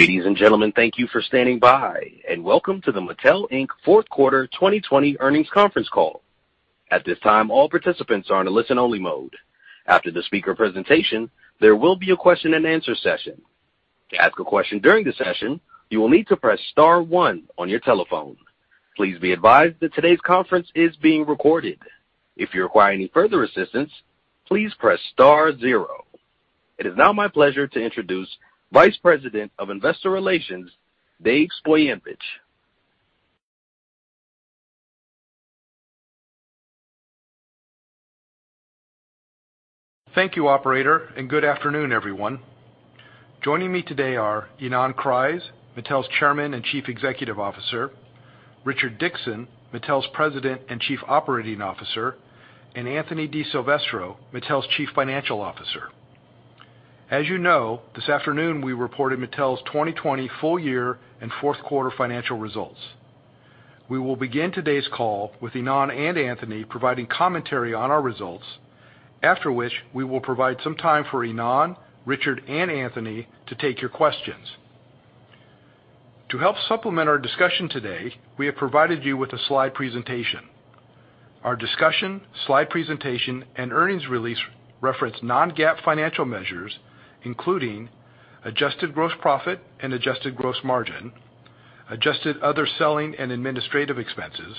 Ladies and gentlemen, thank you for standing by, and welcome to the Mattel Fourth Quarter 2020 Earnings Conference Call. At this time, all participants are in a listen-only mode. After the speaker presentation, there will be a question-and-answer session. To ask a question during the session, you will need to press star one on your telephone. Please be advised that today's conference is being recorded. If you require any further assistance, please press star zero. It is now my pleasure to introduce Vice President of Investor Relations, Dave Zbojniewicz. Thank you, Operator, and good afternoon, everyone. Joining me today are Ynon Kreiz, Mattel's Chairman and Chief Executive Officer, Richard Dickson, Mattel's President and Chief Operating Officer, and Anthony DiSilvestro, Mattel's Chief Financial Officer. As you know, this afternoon we reported Mattel's 2020 full-year and fourth quarter financial results. We will begin today's call with Ynon and Anthony providing commentary on our results, after which we will provide some time for Ynon, Richard, and Anthony to take your questions. To help supplement our discussion today, we have provided you with a slide presentation. Our discussion, slide presentation, and earnings release reference non-GAAP financial measures, including adjusted gross profit and adjusted gross margin, adjusted other selling and administrative expenses,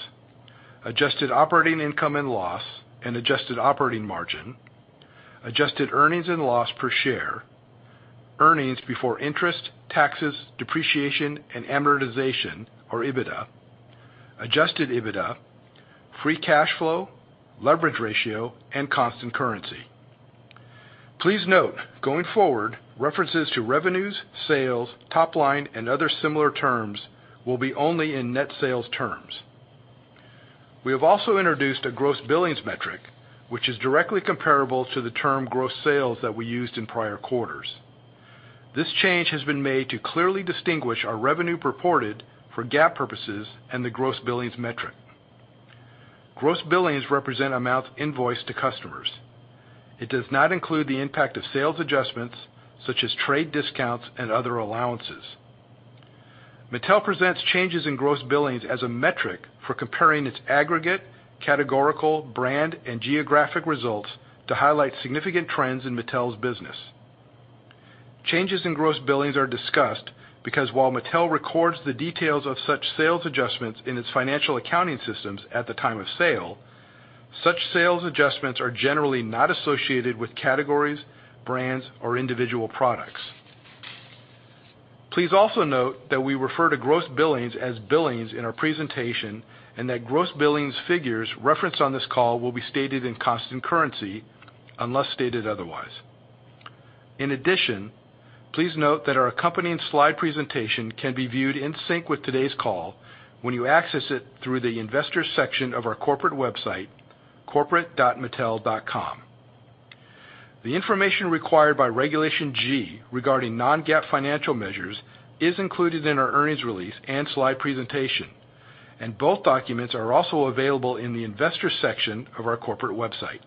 adjusted operating income and loss, and adjusted operating margin, adjusted earnings and loss per share, earnings before interest, taxes, depreciation, and amortization, or EBITDA, adjusted EBITDA, free cash flow, leverage ratio, and constant currency. Please note, going forward, references to revenues, sales, top line, and other similar terms will be only in net sales terms. We have also introduced a gross billings metric, which is directly comparable to the term gross sales that we used in prior quarters. This change has been made to clearly distinguish our revenue reported for GAAP purposes and the gross billings metric. Gross billings represent amounts invoiced to customers. It does not include the impact of sales adjustments, such as trade discounts and other allowances. Mattel presents changes in gross billings as a metric for comparing its aggregate, categorical, brand, and geographic results to highlight significant trends in Mattel's business. Changes in gross billings are discussed because while Mattel records the details of such sales adjustments in its financial accounting systems at the time of sale, such sales adjustments are generally not associated with categories, brands, or individual products. Please also note that we refer to gross billings as billings in our presentation and that gross billings figures referenced on this call will be stated in constant currency unless stated otherwise. In addition, please note that our accompanying slide presentation can be viewed in sync with today's call when you access it through the investor section of our corporate website, corporate.mattel.com. The information required by Regulation G regarding non-GAAP financial measures is included in our earnings release and slide presentation, and both documents are also available in the investor section of our corporate website.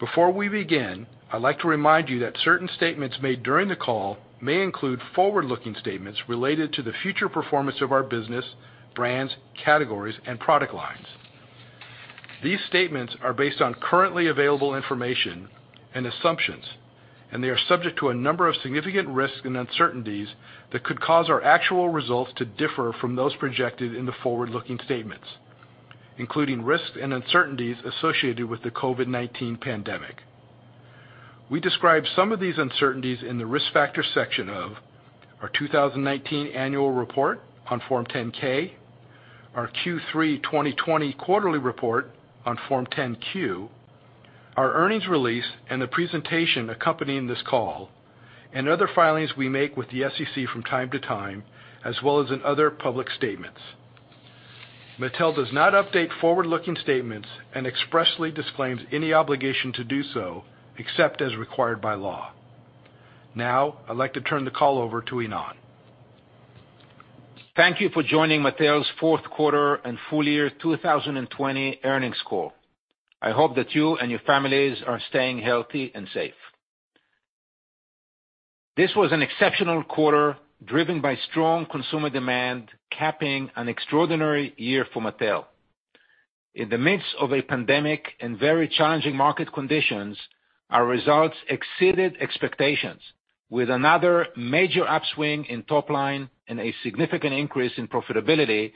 Before we begin, I'd like to remind you that certain statements made during the call may include forward-looking statements related to the future performance of our business, brands, categories, and product lines. These statements are based on currently available information and assumptions, and they are subject to a number of significant risks and uncertainties that could cause our actual results to differ from those projected in the forward-looking statements, including risks and uncertainties associated with the COVID-19 pandemic. We describe some of these uncertainties in the risk factor section of our 2019 annual report on Form 10-K, our Q3 2020 quarterly report on Form 10-Q, our earnings release and the presentation accompanying this call, and other filings we make with the SEC from time to time, as well as in other public statements. Mattel does not update forward-looking statements and expressly disclaims any obligation to do so except as required by law. Now, I'd like to turn the call over to Ynon. Thank you for joining Mattel's Fourth Quarter and Full Year 2020 Earnings Call. I hope that you and your families are staying healthy and safe. This was an exceptional quarter driven by strong consumer demand, capping an extraordinary year for Mattel. In the midst of a pandemic and very challenging market conditions, our results exceeded expectations, with another major upswing in top line and a significant increase in profitability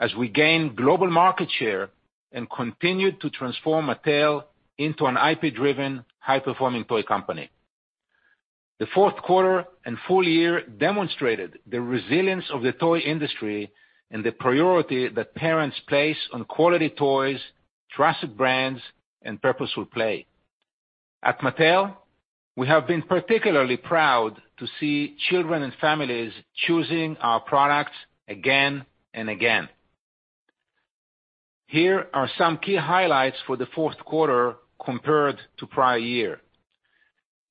as we gained global market share and continued to transform Mattel into an IP-driven, high-performing toy company. The fourth quarter and full year demonstrated the resilience of the toy industry and the priority that parents place on quality toys, trusted brands, and purposeful play. At Mattel, we have been particularly proud to see children and families choosing our products again and again. Here are some key highlights for the fourth quarter compared to prior year.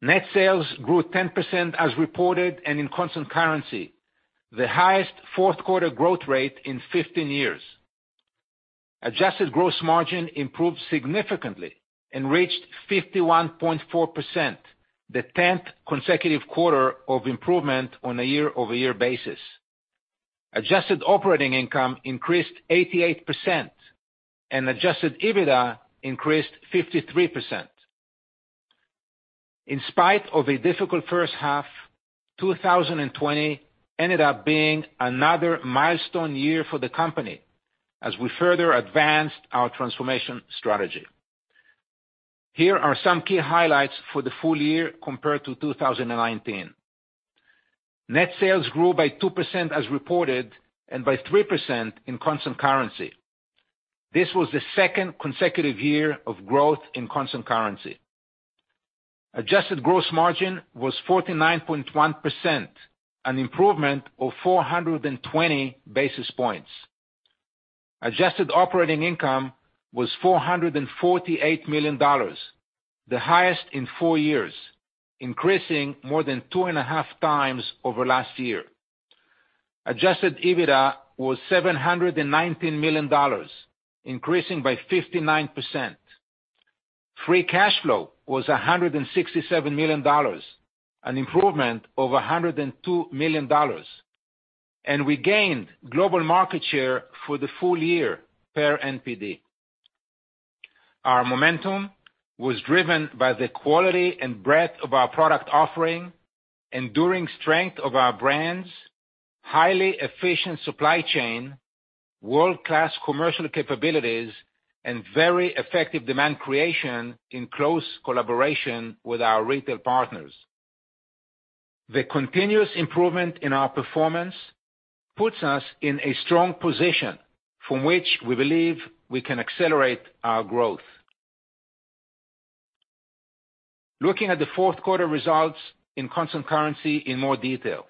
Net sales grew 10% as reported and in constant currency, the highest fourth quarter growth rate in 15 years. Adjusted gross margin improved significantly and reached 51.4%, the 10th consecutive quarter of improvement on a year-over-year basis. Adjusted operating income increased 88%, and adjusted EBITDA increased 53%. In spite of a difficult first half, 2020 ended up being another milestone year for the company as we further advanced our transformation strategy. Here are some key highlights for the full year compared to 2019. Net sales grew by 2% as reported and by 3% in constant currency. This was the second consecutive year of growth in constant currency. Adjusted gross margin was 49.1%, an improvement of 420 basis points. Adjusted operating income was $448 million, the highest in four years, increasing more than two and a half times over last year. Adjusted EBITDA was $719 million, increasing by 59%. Free cash flow was $167 million, an improvement of $102 million, and we gained global market share for the full year per NPD. Our momentum was driven by the quality and breadth of our product offering, enduring strength of our brands, highly efficient supply chain, world-class commercial capabilities, and very effective demand creation in close collaboration with our retail partners. The continuous improvement in our performance puts us in a strong position from which we believe we can accelerate our growth. Looking at the fourth quarter results in constant currency in more detail,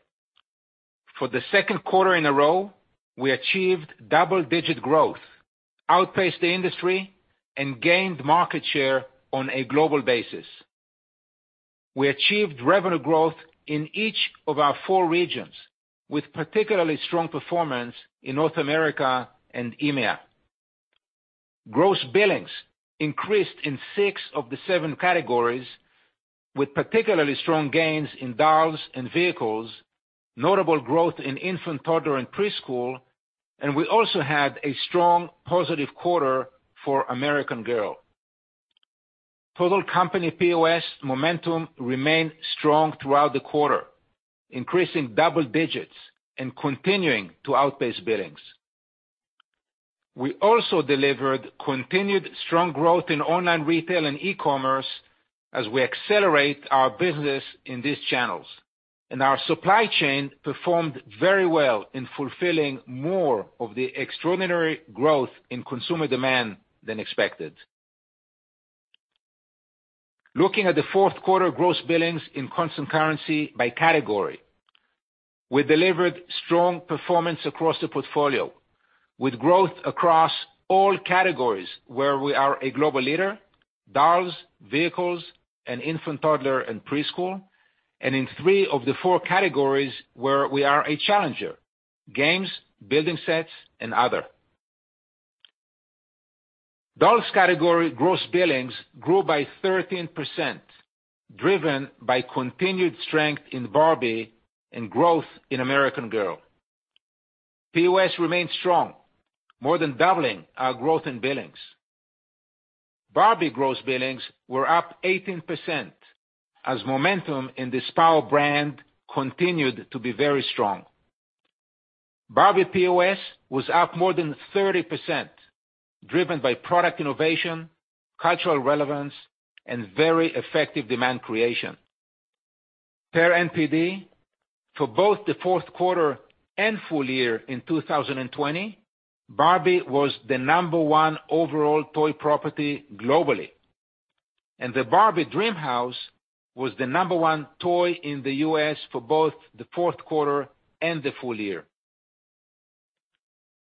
for the second quarter in a row, we achieved double-digit growth, outpaced the industry, and gained market share on a global basis. We achieved revenue growth in each of our four regions, with particularly strong performance in North America and EMEA. Gross billings increased in six of the seven categories, with particularly strong gains in dolls and vehicles, notable growth in infants, toddlers, and preschool, and we also had a strong positive quarter for American Girl. Total company POS momentum remained strong throughout the quarter, increasing double digits and continuing to outpace billings. We also delivered continued strong growth in online retail and e-commerce as we accelerate our business in these channels, and our supply chain performed very well in fulfilling more of the extraordinary growth in consumer demand than expected. Looking at the fourth quarter gross billings in constant currency by category, we delivered strong performance across the portfolio, with growth across all categories where we are a global leader: dolls, vehicles, infants, toddlers, and preschool, and in three of the four categories where we are a challenger: games, building sets, and other. Dolls category gross billings grew by 13%, driven by continued strength in Barbie and growth in American Girl. POS remained strong, more than doubling our growth in billings. Barbie gross billings were up 18% as momentum in this power brand continued to be very strong. Barbie POS was up more than 30%, driven by product innovation, cultural relevance, and very effective demand creation. Per NPD, for both the fourth quarter and full year in 2020, Barbie was the number one overall toy property globally, and the Barbie Dreamhouse was the number one toy in the US for both the fourth quarter and the full year.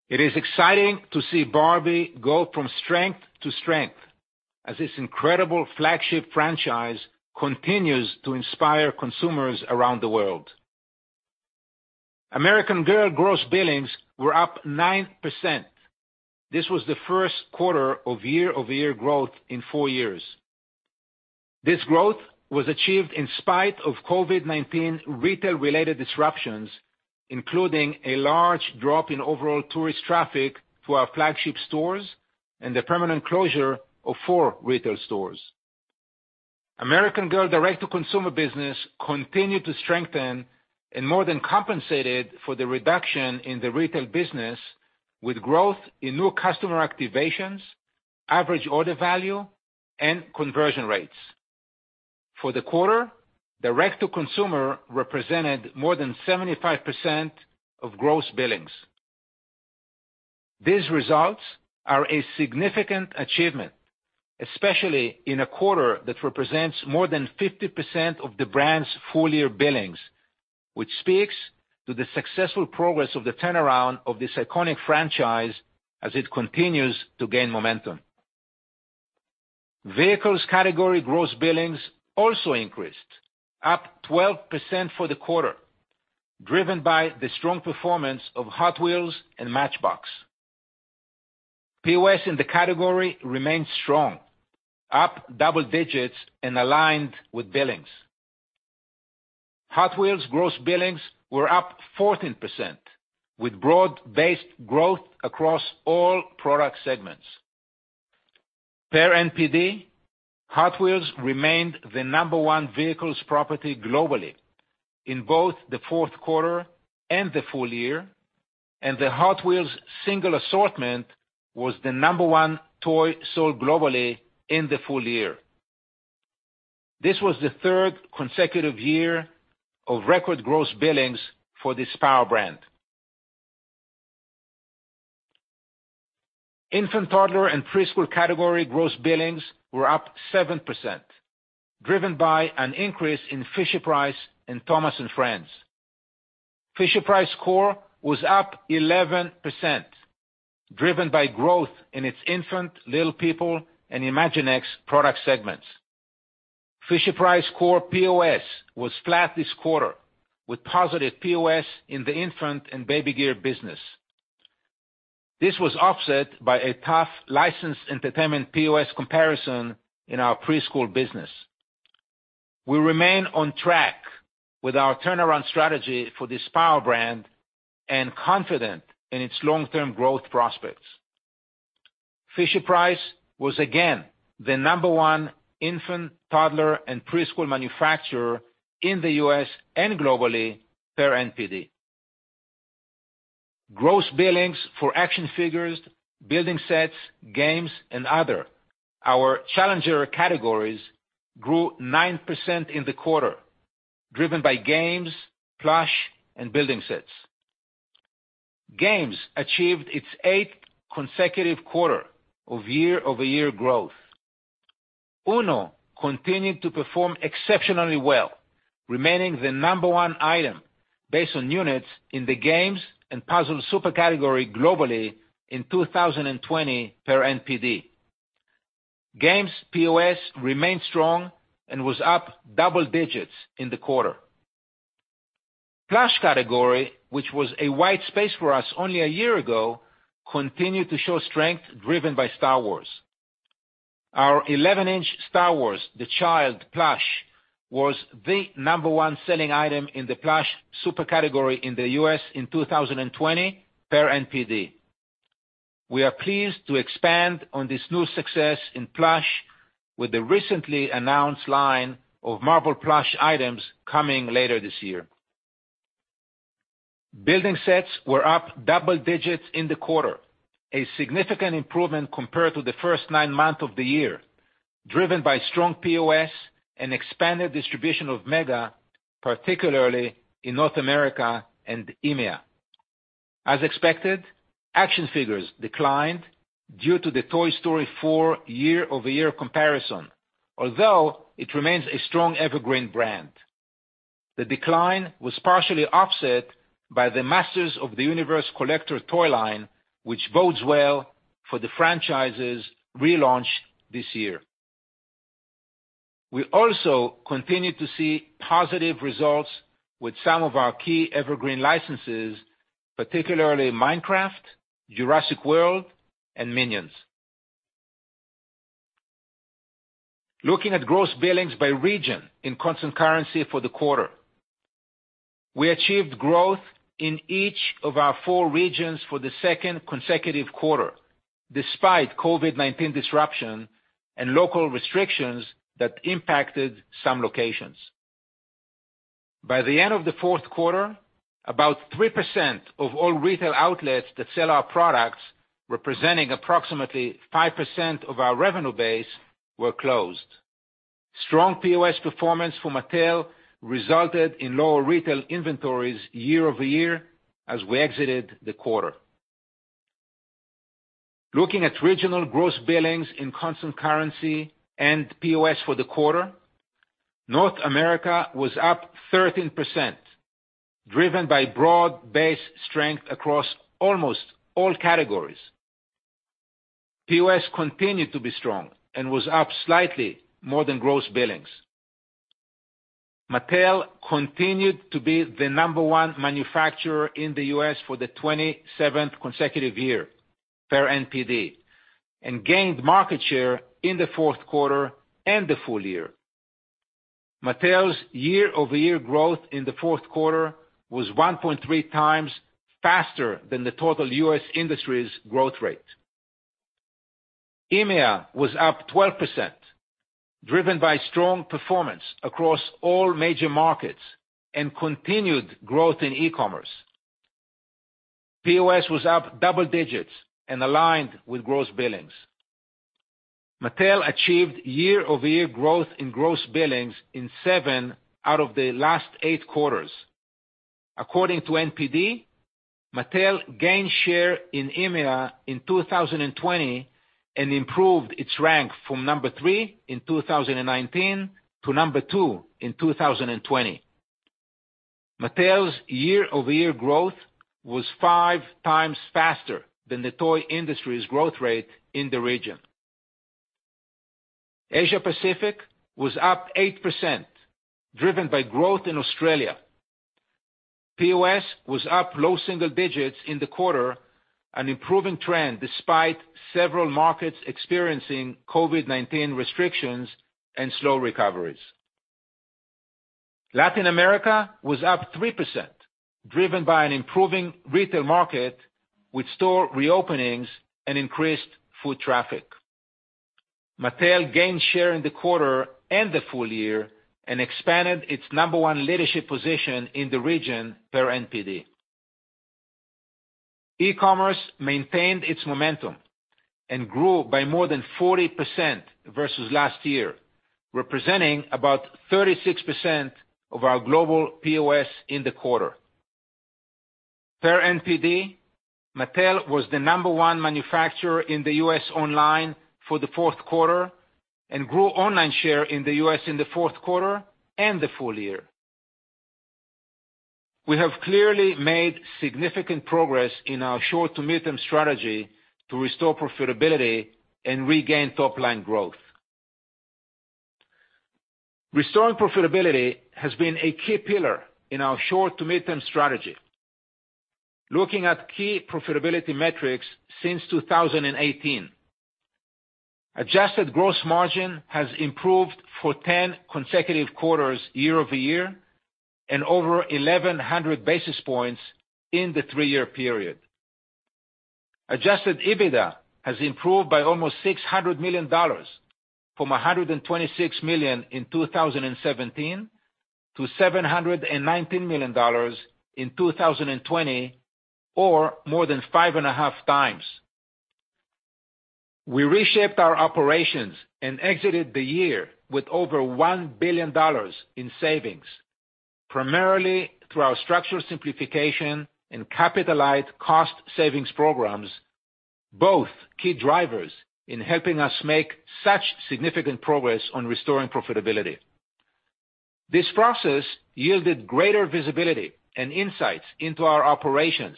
It is exciting to see Barbie go from strength to strength as this incredible flagship franchise continues to inspire consumers around the world. American Girl gross billings were up 9%. This was the first quarter of year-over-year growth in four years. This growth was achieved in spite of COVID-19 retail-related disruptions, including a large drop in overall tourist traffic to our flagship stores and the permanent closure of four retail stores. American Girl direct-to-consumer business continued to strengthen and more than compensated for the reduction in the retail business, with growth in new customer activations, average order value, and conversion rates. For the quarter, direct-to-consumer represented more than 75% of gross billings. These results are a significant achievement, especially in a quarter that represents more than 50% of the brand's full-year billings, which speaks to the successful progress of the turnaround of this iconic franchise as it continues to gain momentum. Vehicles category gross billings also increased, up 12% for the quarter, driven by the strong performance of Hot Wheels and Matchbox. POS in the category remained strong, up double digits and aligned with billings. Hot Wheels gross billings were up 14%, with broad-based growth across all product segments. Per NPD, Hot Wheels remained the number one vehicles property globally in both the fourth quarter and the full year, and the Hot Wheels single assortment was the number one toy sold globally in the full year. This was the third consecutive year of record gross billings for this power brand. Infants, toddlers, and preschool category gross billings were up 7%, driven by an increase in Fisher-Price and Thomas & Friends. Fisher-Price Core was up 11%, driven by growth in its infant, Little People, and Imaginext product segments. Fisher-Price Core POS was flat this quarter, with positive POS in the infant and baby gear business. This was offset by a tough licensed entertainment POS comparison in our preschool business. We remain on track with our turnaround strategy for this power brand and confident in its long-term growth prospects. Fisher-Price was again the number one infant, toddler, and preschool manufacturer in the U.S. and globally per NPD. Gross billings for action figures, building sets, games, and other, our challenger categories, grew 9% in the quarter, driven by games, plush, and building sets. Games achieved its eighth consecutive quarter of year-over-year growth. Uno continued to perform exceptionally well, remaining the number one item based on units in the games and puzzle super category globally in 2020 per NPD. Games POS remained strong and was up double digits in the quarter. Plush category, which was a white space for us only a year ago, continued to show strength driven by Star Wars. Our 11-inch Star Wars: The Child plush was the number one selling item in the plush super category in the U.S. in 2020 per NPD. We are pleased to expand on this new success in plush with the recently announced line of Marvel plush items coming later this year. Building sets were up double digits in the quarter, a significant improvement compared to the first nine months of the year, driven by strong POS and expanded distribution of Mega, particularly in North America and EMEA. As expected, action figures declined due to the Toy Story 4 year-over-year comparison, although it remains a strong evergreen brand. The decline was partially offset by the Masters of the Universe collector toy line, which bodes well for the franchise's relaunch this year. We also continue to see positive results with some of our key evergreen licenses, particularly Minecraft, Jurassic World, and Minions. Looking at gross billings by region in constant currency for the quarter, we achieved growth in each of our four regions for the second consecutive quarter, despite COVID-19 disruption and local restrictions that impacted some locations. By the end of the fourth quarter, about 3% of all retail outlets that sell our products, representing approximately 5% of our revenue base, were closed. Strong POS performance for Mattel resulted in lower retail inventories year-over-year as we exited the quarter. Looking at regional gross billings in constant currency and POS for the quarter, North America was up 13%, driven by broad-based strength across almost all categories. POS continued to be strong and was up slightly more than gross billings. Mattel continued to be the number one manufacturer in the U.S. for the 27th consecutive year per NPD and gained market share in the fourth quarter and the full year. Mattel's year-over-year growth in the fourth quarter was 1.3 times faster than the total U.S. industry's growth rate. EMEA was up 12%, driven by strong performance across all major markets and continued growth in e-commerce. POS was up double digits and aligned with gross billings. Mattel achieved year-over-year growth in gross billings in seven out of the last eight quarters. According to NPD, Mattel gained share in EMEA in 2020 and improved its rank from number three in 2019 to number two in 2020. Mattel's year-over-year growth was five times faster than the toy industry's growth rate in the region. Asia Pacific was up 8%, driven by growth in Australia. POS was up low single digits in the quarter, an improving trend despite several markets experiencing COVID-19 restrictions and slow recoveries. Latin America was up 3%, driven by an improving retail market with store re-openings and increased foot traffic. Mattel gained share in the quarter and the full year and expanded its number one leadership position in the region per NPD. E-commerce maintained its momentum and grew by more than 40% versus last year, representing about 36% of our global POS in the quarter. Per NPD, Mattel was the number one manufacturer in the U.S. online for the fourth quarter and grew online share in the U.S. in the fourth quarter and the full year. We have clearly made significant progress in our short-to-mid-term strategy to restore profitability and regain top-line growth. Restoring profitability has been a key pillar in our short-to-mid-term strategy. Looking at key profitability metrics since 2018, adjusted gross margin has improved for 10 consecutive quarters year-over-year and over 1,100 basis points in the three-year period. Adjusted EBITDA has improved by almost $600 million from $126 million in 2017 to $719 million in 2020, or more than five and a half times. We reshaped our operations and exited the year with over $1 billion in savings, primarily through our structural simplification and Capitalized cost savings programs, both key drivers in helping us make such significant progress on restoring profitability. This process yielded greater visibility and insights into our operations,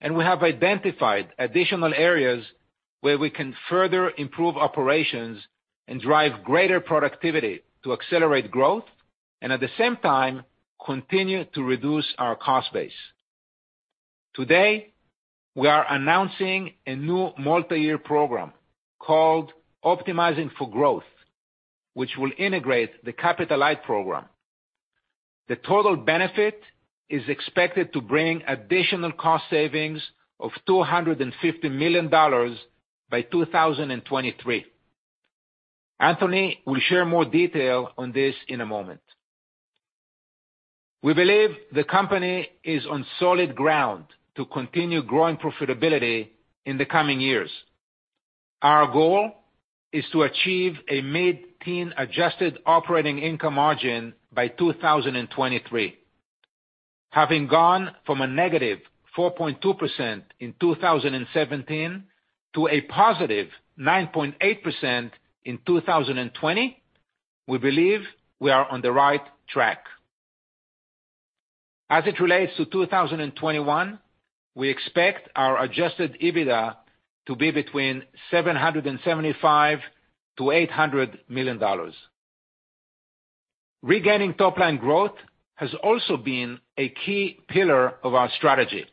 and we have identified additional areas where we can further improve operations and drive greater productivity to accelerate growth and, at the same time, continue to reduce our cost base. Today, we are announcing a new multi-year program called Optimizing for Growth, which will integrate the Capitalized program. The total benefit is expected to bring additional cost savings of $250 million by 2023. Anthony will share more detail on this in a moment. We believe the company is on solid ground to continue growing profitability in the coming years. Our goal is to achieve a mid-teen adjusted operating income margin by 2023. Having gone from a -4.2% in 2017 to a +9.8% in 2020, we believe we are on the right track. As it relates to 2021, we expect our adjusted EBITDA to be between $775 million-$800 million. Regaining top-line growth has also been a key pillar of our strategy,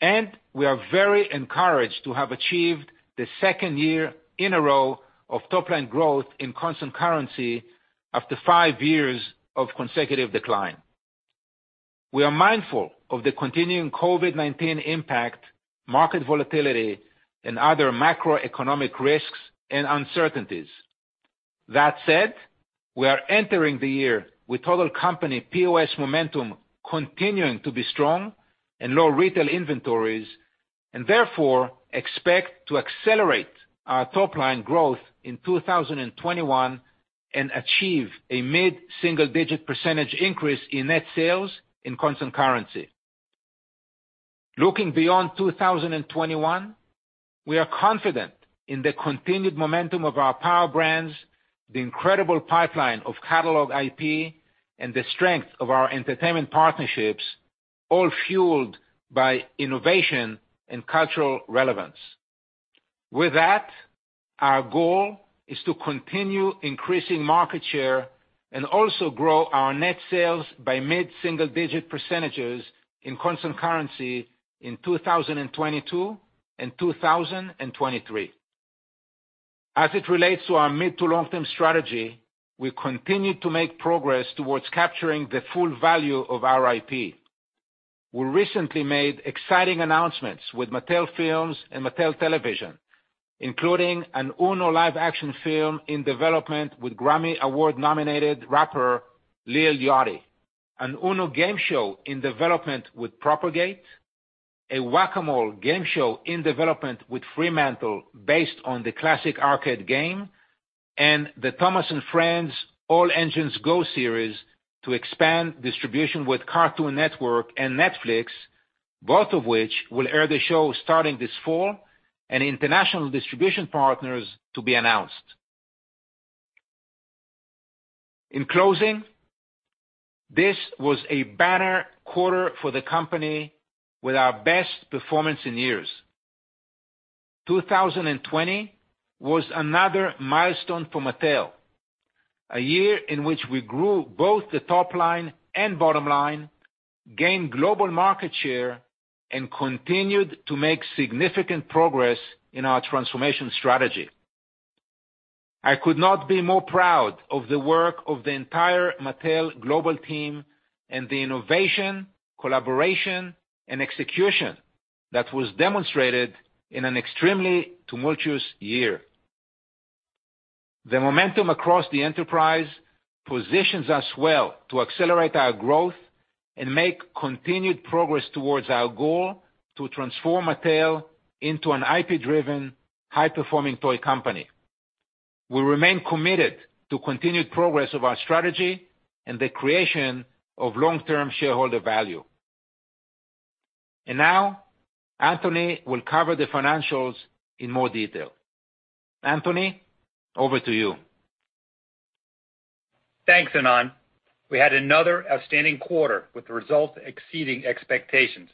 and we are very encouraged to have achieved the second year in a row of top-line growth in constant currency after five years of consecutive decline. We are mindful of the continuing COVID-19 impact, market volatility, and other macroeconomic risks and uncertainties. That said, we are entering the year with total company POS momentum continuing to be strong and low retail inventories, and therefore expect to accelerate our top-line growth in 2021 and achieve a mid-single-digit % increase in net sales in constant currency. Looking beyond 2021, we are confident in the continued momentum of our power brands, the incredible pipeline of catalog IP, and the strength of our entertainment partnerships, all fueled by innovation and cultural relevance. With that, our goal is to continue increasing market share and also grow our net sales by mid-single-digit % in constant currency in 2022 and 2023. As it relates to our mid-to-long-term strategy, we continue to make progress towards capturing the full value of our IP. We recently made exciting announcements with Mattel Films and Mattel Television, including an Uno live-action film in development with Grammy Award-nominated rapper Lil Yachty, an Uno game show in development with Propagate, a Whac-A-Mole game show in development with Fremantle based on the classic arcade game, and the Thomas & Friends: All Engines Go series to expand distribution with Cartoon Network and Netflix, both of which will air the show starting this fall, and international distribution partners to be announced. In closing, this was a banner quarter for the company with our best performance in years. 2020 was another milestone for Mattel, a year in which we grew both the top line and bottom line, gained global market share, and continued to make significant progress in our transformation strategy. I could not be more proud of the work of the entire Mattel global team and the innovation, collaboration, and execution that was demonstrated in an extremely tumultuous year. The momentum across the enterprise positions us well to accelerate our growth and make continued progress towards our goal to transform Mattel into an IP-driven, high-performing toy company. We remain committed to continued progress of our strategy and the creation of long-term shareholder value. Now, Anthony will cover the financials in more detail. Anthony, over to you. Thanks, Ynon. We had another outstanding quarter with results exceeding expectations.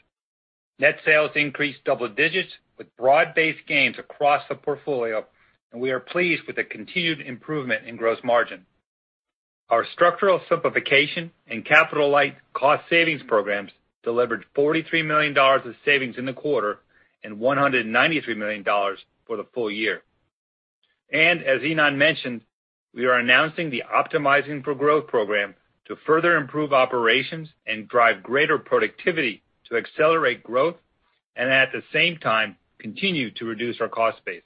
Net sales increased double digits with broad-based gains across the portfolio, and we are pleased with the continued improvement in gross margin. Our structural simplification and capitalized cost savings programs delivered $43 million of savings in the quarter and $193 million for the full year. As Ynon mentioned, we are announcing the Optimizing for Growth program to further improve operations and drive greater productivity to accelerate growth and, at the same time, continue to reduce our cost base.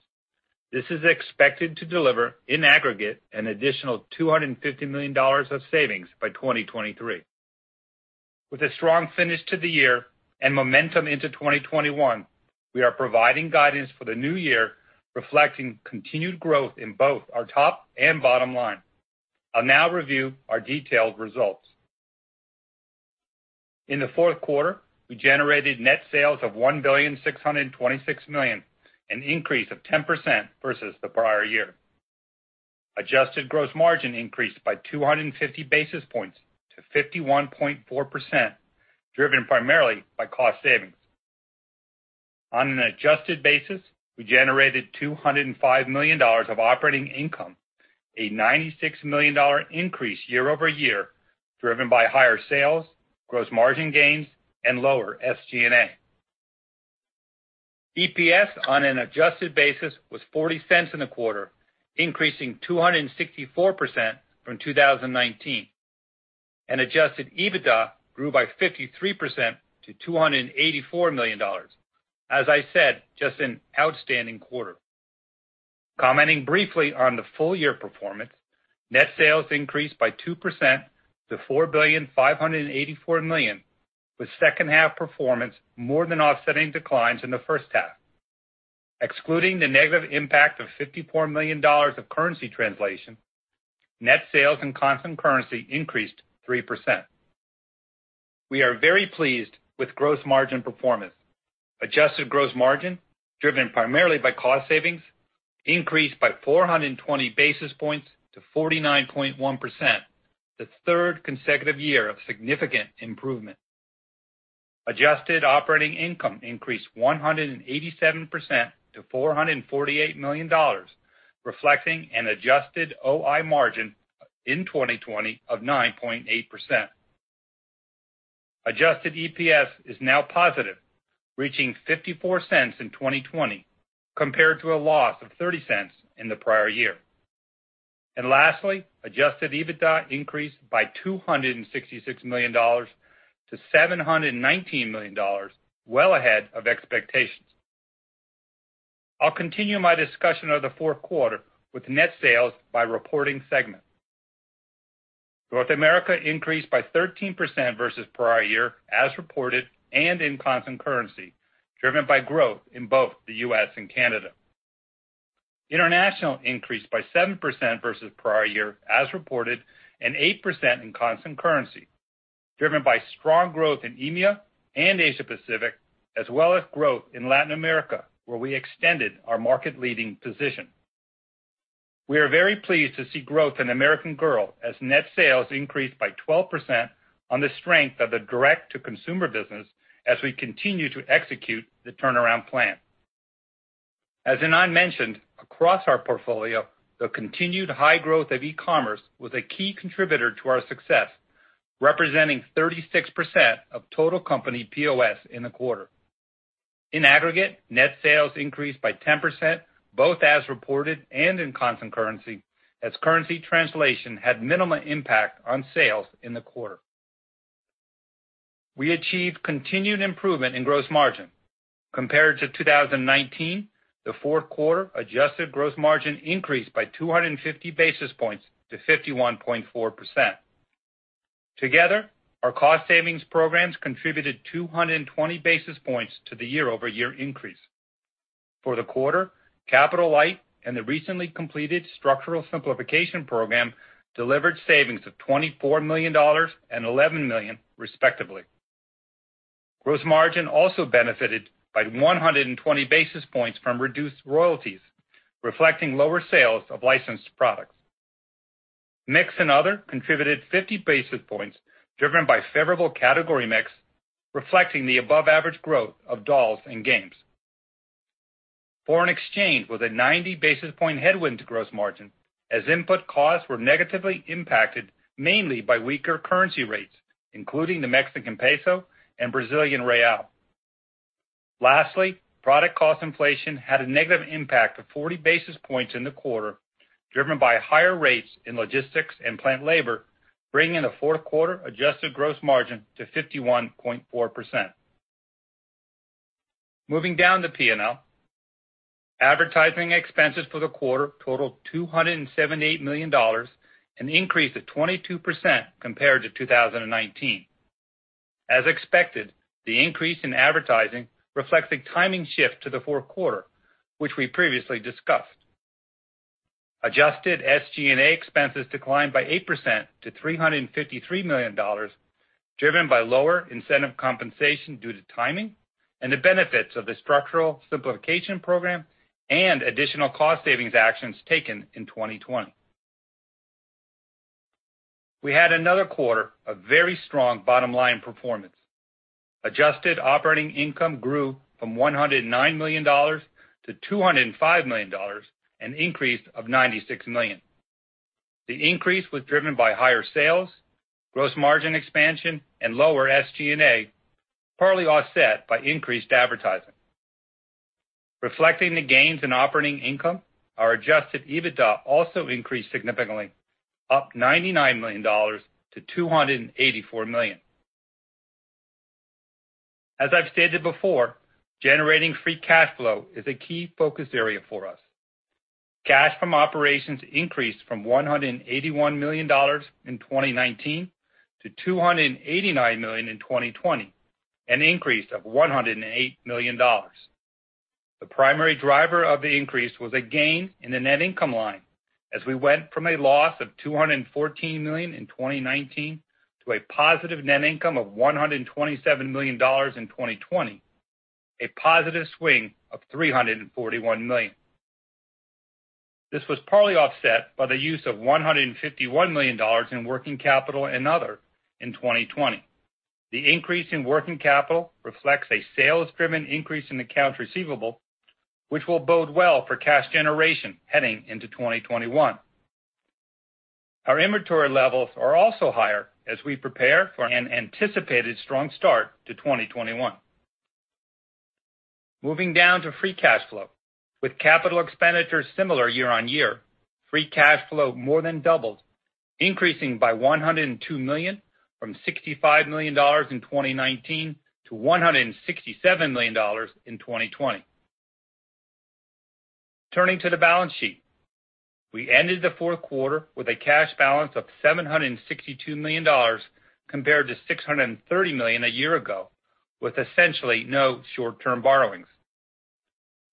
This is expected to deliver, in aggregate, an additional $250 million of savings by 2023. With a strong finish to the year and momentum into 2021, we are providing guidance for the new year, reflecting continued growth in both our top and bottom line. I'll now review our detailed results. In the fourth quarter, we generated net sales of $1,626 million, an increase of 10% versus the prior year. Adjusted gross margin increased by 250 basis points to 51.4%, driven primarily by cost savings. On an adjusted basis, we generated $205 million of operating income, a $96 million increase year-over-year, driven by higher sales, gross margin gains, and lower SG&A. EPS on an adjusted basis was $0.40 in the quarter, increasing 264% from 2019. Adjusted EBITDA grew by 53% to $284 million. As I said, just an outstanding quarter. Commenting briefly on the full-year performance, net sales increased by 2% to $4,584 million, with second-half performance more than offsetting declines in the first half. Excluding the negative impact of $54 million of currency translation, net sales in constant currency increased 3%. We are very pleased with gross margin performance. Adjusted gross margin, driven primarily by cost savings, increased by 420 basis points to 49.1%, the third consecutive year of significant improvement. Adjusted operating income increased 187% to $448 million, reflecting an adjusted OI margin in 2020 of 9.8%. Adjusted EPS is now positive, reaching $0.54 in 2020, compared to a loss of $0.30 in the prior year. Lastly, adjusted EBITDA increased by $266 million-$719 million, well ahead of expectations. I'll continue my discussion of the fourth quarter with net sales by reporting segment. North America increased by 13% versus prior year, as reported, and in constant currency, driven by growth in both the U.S. and Canada. International increased by 7% versus prior year, as reported, and 8% in constant currency, driven by strong growth in EMEA and Asia Pacific, as well as growth in Latin America, where we extended our market-leading position. We are very pleased to see growth in American Girl as net sales increased by 12% on the strength of the direct-to-consumer business as we continue to execute the turnaround plan. As Ynon mentioned, across our portfolio, the continued high growth of e-commerce was a key contributor to our success, representing 36% of total company POS in the quarter. In aggregate, net sales increased by 10%, both as reported and in constant currency, as currency translation had minimal impact on sales in the quarter. We achieved continued improvement in gross margin. Compared to 2019, the fourth quarter adjusted gross margin increased by 250 basis points to 51.4%. Together, our cost savings programs contributed 220 basis points to the year-over-year increase. For the quarter, Capitalized and the recently completed structural simplification program delivered savings of $24 million and $11 million, respectively. Gross margin also benefited by 120 basis points from reduced royalties, reflecting lower sales of licensed products. Mix and Other contributed 50 basis points, driven by favorable category mix, reflecting the above-average growth of dolls and games. Foreign exchange was a 90 basis point headwind to gross margin, as input costs were negatively impacted mainly by weaker currency rates, including the Mexican Peso and Brazilian Real. Lastly, product cost inflation had a negative impact of 40 basis points in the quarter, driven by higher rates in logistics and plant labor, bringing the fourth quarter adjusted gross margin to 51.4%. Moving down the P&L, advertising expenses for the quarter totaled $278 million, an increase of 22% compared to 2019. As expected, the increase in advertising reflects a timing shift to the fourth quarter, which we previously discussed. Adjusted SG&A expenses declined by 8% to $353 million, driven by lower incentive compensation due to timing and the benefits of the structural simplification program and additional cost savings actions taken in 2020. We had another quarter of very strong bottom line performance. Adjusted operating income grew from $109 million-$205 million, an increase of $96 million. The increase was driven by higher sales, gross margin expansion, and lower SG&A, partly offset by increased advertising. Reflecting the gains in operating income, our adjusted EBITDA also increased significantly, up $99 million-$284 million. As I've stated before, generating free cash flow is a key focus area for us. Cash from operations increased from $181 million in 2019 to $289 million in 2020, an increase of $108 million. The primary driver of the increase was a gain in the net income line, as we went from a loss of $214 million in 2019 to a positive net income of $127 million in 2020, a positive swing of $341 million. This was partly offset by the use of $151 million in working capital and other in 2020. The increase in working capital reflects a sales-driven increase in accounts receivable, which will bode well for cash generation heading into 2021. Our inventory levels are also higher as we prepare for an anticipated strong start to 2021. Moving down to free cash flow. With capital expenditures similar year-on-year, free cash flow more than doubled, increasing by $102 million from $65 million in 2019 to $167 million in 2020. Turning to the balance sheet, we ended the fourth quarter with a cash balance of $762 million compared to $630 million a year ago, with essentially no short-term borrowings.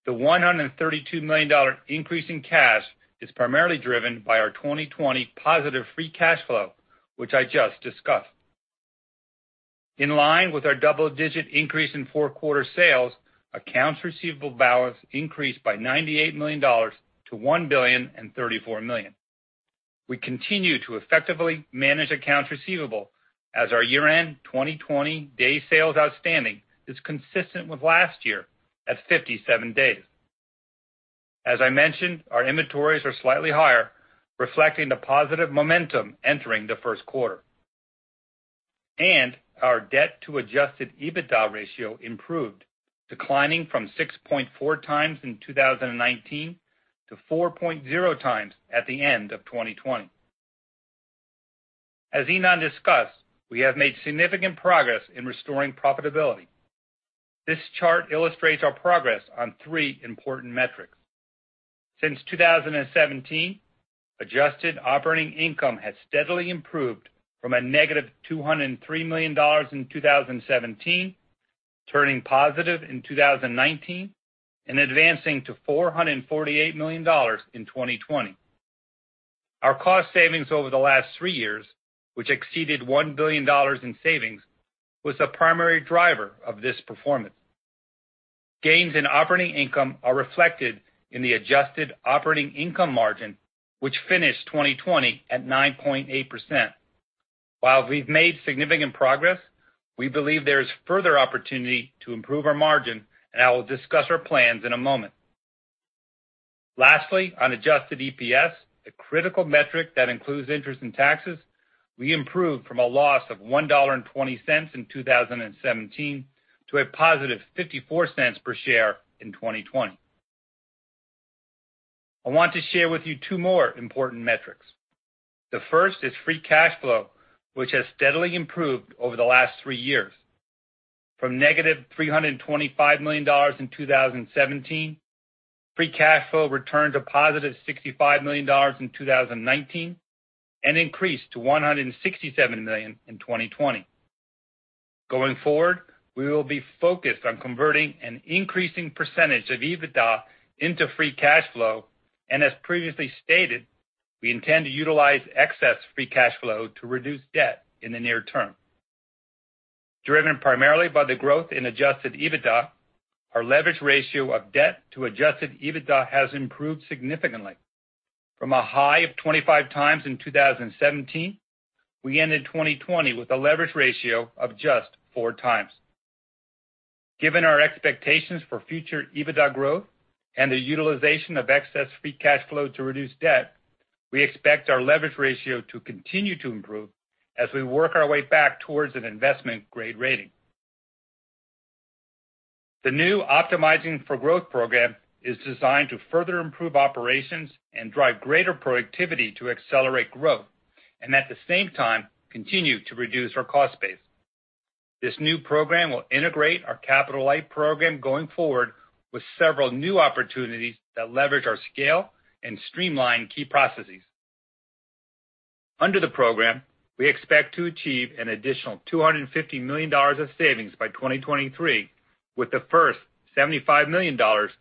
The $132 million increase in cash is primarily driven by our 2020 positive free cash flow, which I just discussed. In line with our double-digit increase in fourth quarter sales, accounts receivable balance increased by $98 million-$1,034 million. We continue to effectively manage accounts receivable, as our year-end 2020 day sales outstanding is consistent with last year at 57 days. As I mentioned, our inventories are slightly higher, reflecting the positive momentum entering the first quarter. Our debt-to-adjusted EBITDA ratio improved, declining from 6.4 times in 2019-4.0 times at the end of 2020. As Ynon discussed, we have made significant progress in restoring profitability. This chart illustrates our progress on three important metrics. Since 2017, adjusted operating income has steadily improved from a -$203 million in 2017, turning positive in 2019, and advancing to $448 million in 2020. Our cost savings over the last three years, which exceeded $1 billion in savings, was the primary driver of this performance. Gains in operating income are reflected in the adjusted operating income margin, which finished 2020 at 9.8%. While we've made significant progress, we believe there is further opportunity to improve our margin, and I will discuss our plans in a moment. Lastly, on adjusted EPS, a critical metric that includes interest and taxes, we improved from a loss of $1.20 in 2017 to a positive $0.54 per share in 2020. I want to share with you two more important metrics. The first is free cash flow, which has steadily improved over the last three years. From -$325 million in 2017, free cash flow returned to positive $65 million in 2019 and increased to $167 million in 2020. Going forward, we will be focused on converting an increasing percentage of EBITDA into free cash flow, and as previously stated, we intend to utilize excess free cash flow to reduce debt in the near term. Driven primarily by the growth in adjusted EBITDA, our leverage ratio of debt to adjusted EBITDA has improved significantly. From a high of 25 times in 2017, we ended 2020 with a leverage ratio of just 4x. Given our expectations for future EBITDA growth and the utilization of excess free cash flow to reduce debt, we expect our leverage ratio to continue to improve as we work our way back towards an investment-grade rating. The new Optimizing for Growth program is designed to further improve operations and drive greater productivity to accelerate growth, and at the same time, continue to reduce our cost base. This new program will integrate our Capitalized program going forward with several new opportunities that leverage our scale and streamline key processes. Under the program, we expect to achieve an additional $250 million of savings by 2023, with the first $75 million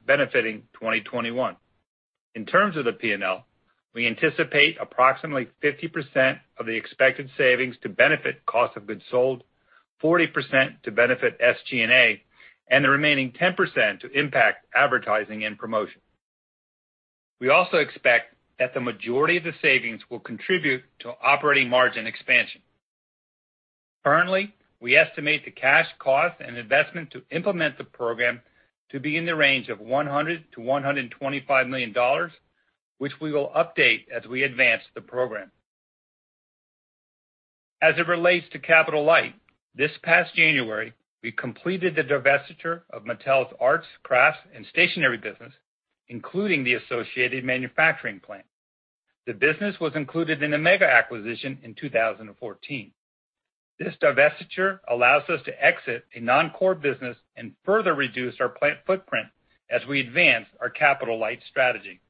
benefiting 2021. In terms of the P&L, we anticipate approximately 50% of the expected savings to benefit cost of goods sold, 40% to benefit SG&A, and the remaining 10% to impact advertising and promotion. We also expect that the majority of the savings will contribute to operating margin expansion. Currently, we estimate the cash cost and investment to implement the program to be in the range of $100 million-$125 million, which we will update as we advance the program. As it relates to Capitalized, this past January, we completed the divestiture of Mattel's arts, crafts, and stationery business, including the associated manufacturing plant. The business was included in the Mega acquisition in 2014. This divestiture allows us to exit a non-core business and further reduce our plant footprint as we advance our Capitalized strategy.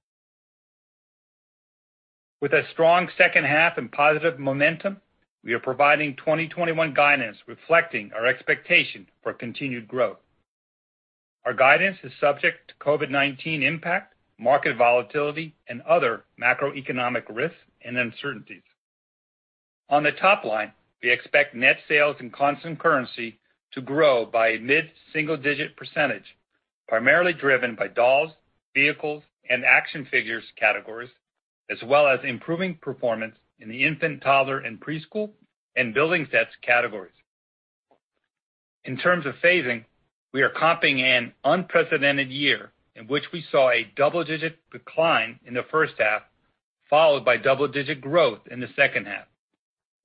With a strong second half and positive momentum, we are providing 2021 guidance reflecting our expectation for continued growth. Our guidance is subject to COVID-19 impact, market volatility, and other macroeconomic risks and uncertainties. On the top line, we expect net sales in constant currency to grow by a mid-single-digit %, primarily driven by dolls, vehicles, and action figures categories, as well as improving performance in the infant, toddler, and preschool and building sets categories. In terms of phasing, we are comping an unprecedented year in which we saw a double-digit decline in the first half, followed by double-digit growth in the second half.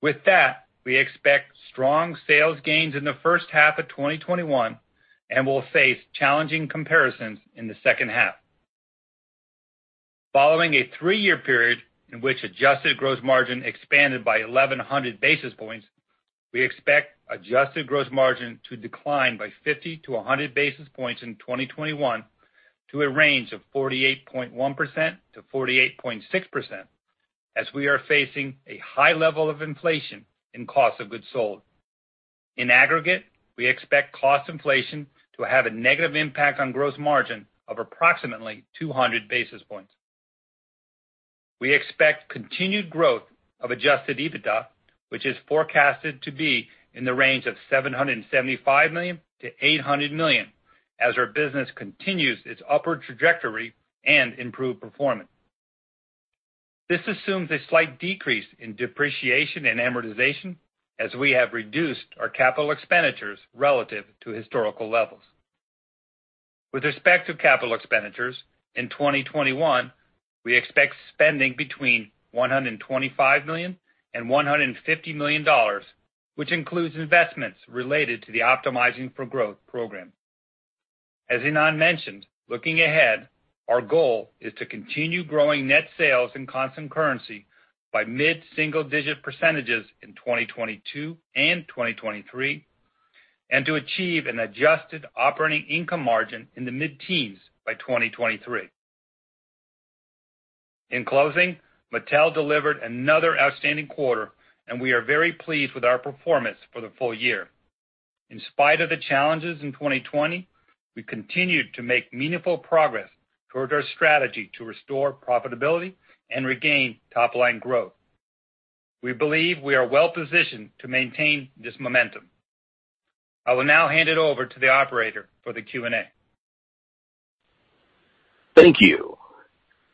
With that, we expect strong sales gains in the first half of 2021 and will face challenging comparisons in the second half. Following a three-year period in which adjusted gross margin expanded by 1,100 basis points, we expect adjusted gross margin to decline by 50 basis points-100 basis points in 2021 to a range of 48.1%-48.6%, as we are facing a high level of inflation in cost of goods sold. In aggregate, we expect cost inflation to have a negative impact on gross margin of approximately 200 basis points. We expect continued growth of adjusted EBITDA, which is forecasted to be in the range of $775 million-$800 million, as our business continues its upward trajectory and improved performance. This assumes a slight decrease in depreciation and amortization, as we have reduced our capital expenditures relative to historical levels. With respect to capital expenditures, in 2021, we expect spending between $125 million and $150 million, which includes investments related to the Optimizing for Growth program. As Ynon mentioned, looking ahead, our goal is to continue growing net sales in constant currency by mid-single-digit % in 2022 and 2023, and to achieve an adjusted operating income margin in the mid-teens by 2023. In closing, Mattel delivered another outstanding quarter, and we are very pleased with our performance for the full year. In spite of the challenges in 2020, we continued to make meaningful progress toward our strategy to restore profitability and regain top-line growth. We believe we are well-positioned to maintain this momentum. I will now hand it over to the operator for the Q&A. Thank you.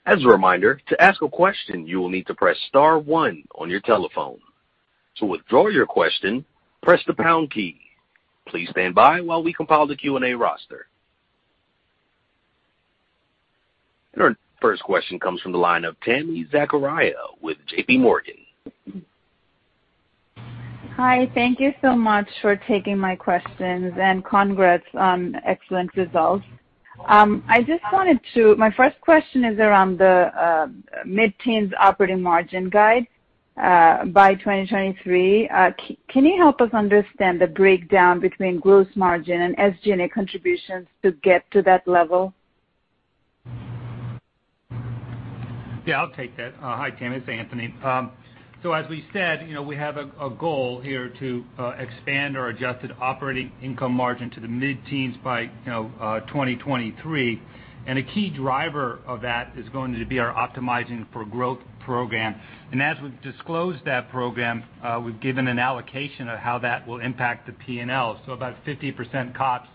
As a reminder, to ask a question, you will need to press Star 1 on your telephone. To withdraw your question, press the pound key. Please stand by while we compile the Q&A roster. Our first question comes from the line of Tammy Zakaria with JP Morgan. Hi, thank you so much for taking my questions and congrats on excellent results. I just wanted to—my first question is around the mid-teens operating margin guide by 2023. Can you help us understand the breakdown between gross margin and SG&A contributions to get to that level? Yeah, I'll take that. Hi, Tami Zakaria. As we said, we have a goal here to expand our adjusted operating income margin to the mid-teens by 2023. A key driver of that is going to be our Optimizing for Growth program. As we've disclosed that program, we've given an allocation of how that will impact the P&L. About 50% COPS,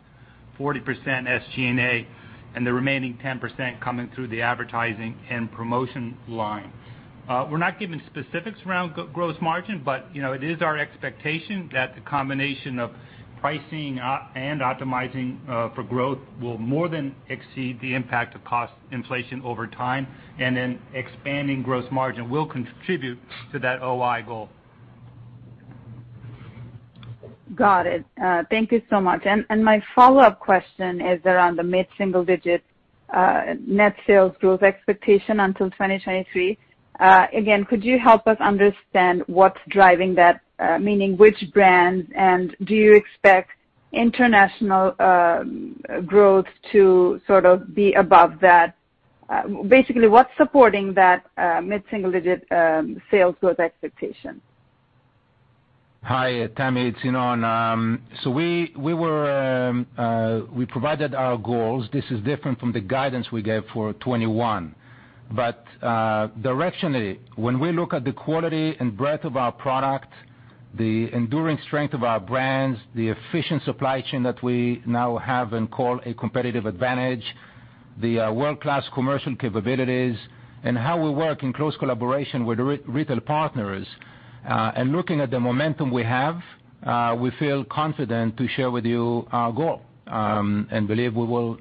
40% SG&A, and the remaining 10% coming through the advertising and promotion line. We're not giving specifics around gross margin, but it is our expectation that the combination of pricing and optimizing for growth will more than exceed the impact of cost inflation over time, and then expanding gross margin will contribute to that OI goal. Got it. Thank you so much. My follow-up question is around the mid-single-digit net sales growth expectation until 2023. Again, could you help us understand what's driving that, meaning which brands, and do you expect international growth to sort of be above that? Basically, what's supporting that mid-single-digit sales growth expectation? Hi, Tami Zakaria. We provided our goals. This is different from the guidance we gave for 2021. Directionally, when we look at the quality and breadth of our product, the enduring strength of our brands, the efficient supply chain that we now have and call a competitive advantage, the world-class commercial capabilities, and how we work in close collaboration with retail partners, and looking at the momentum we have, we feel confident to share with you our goal and believe we will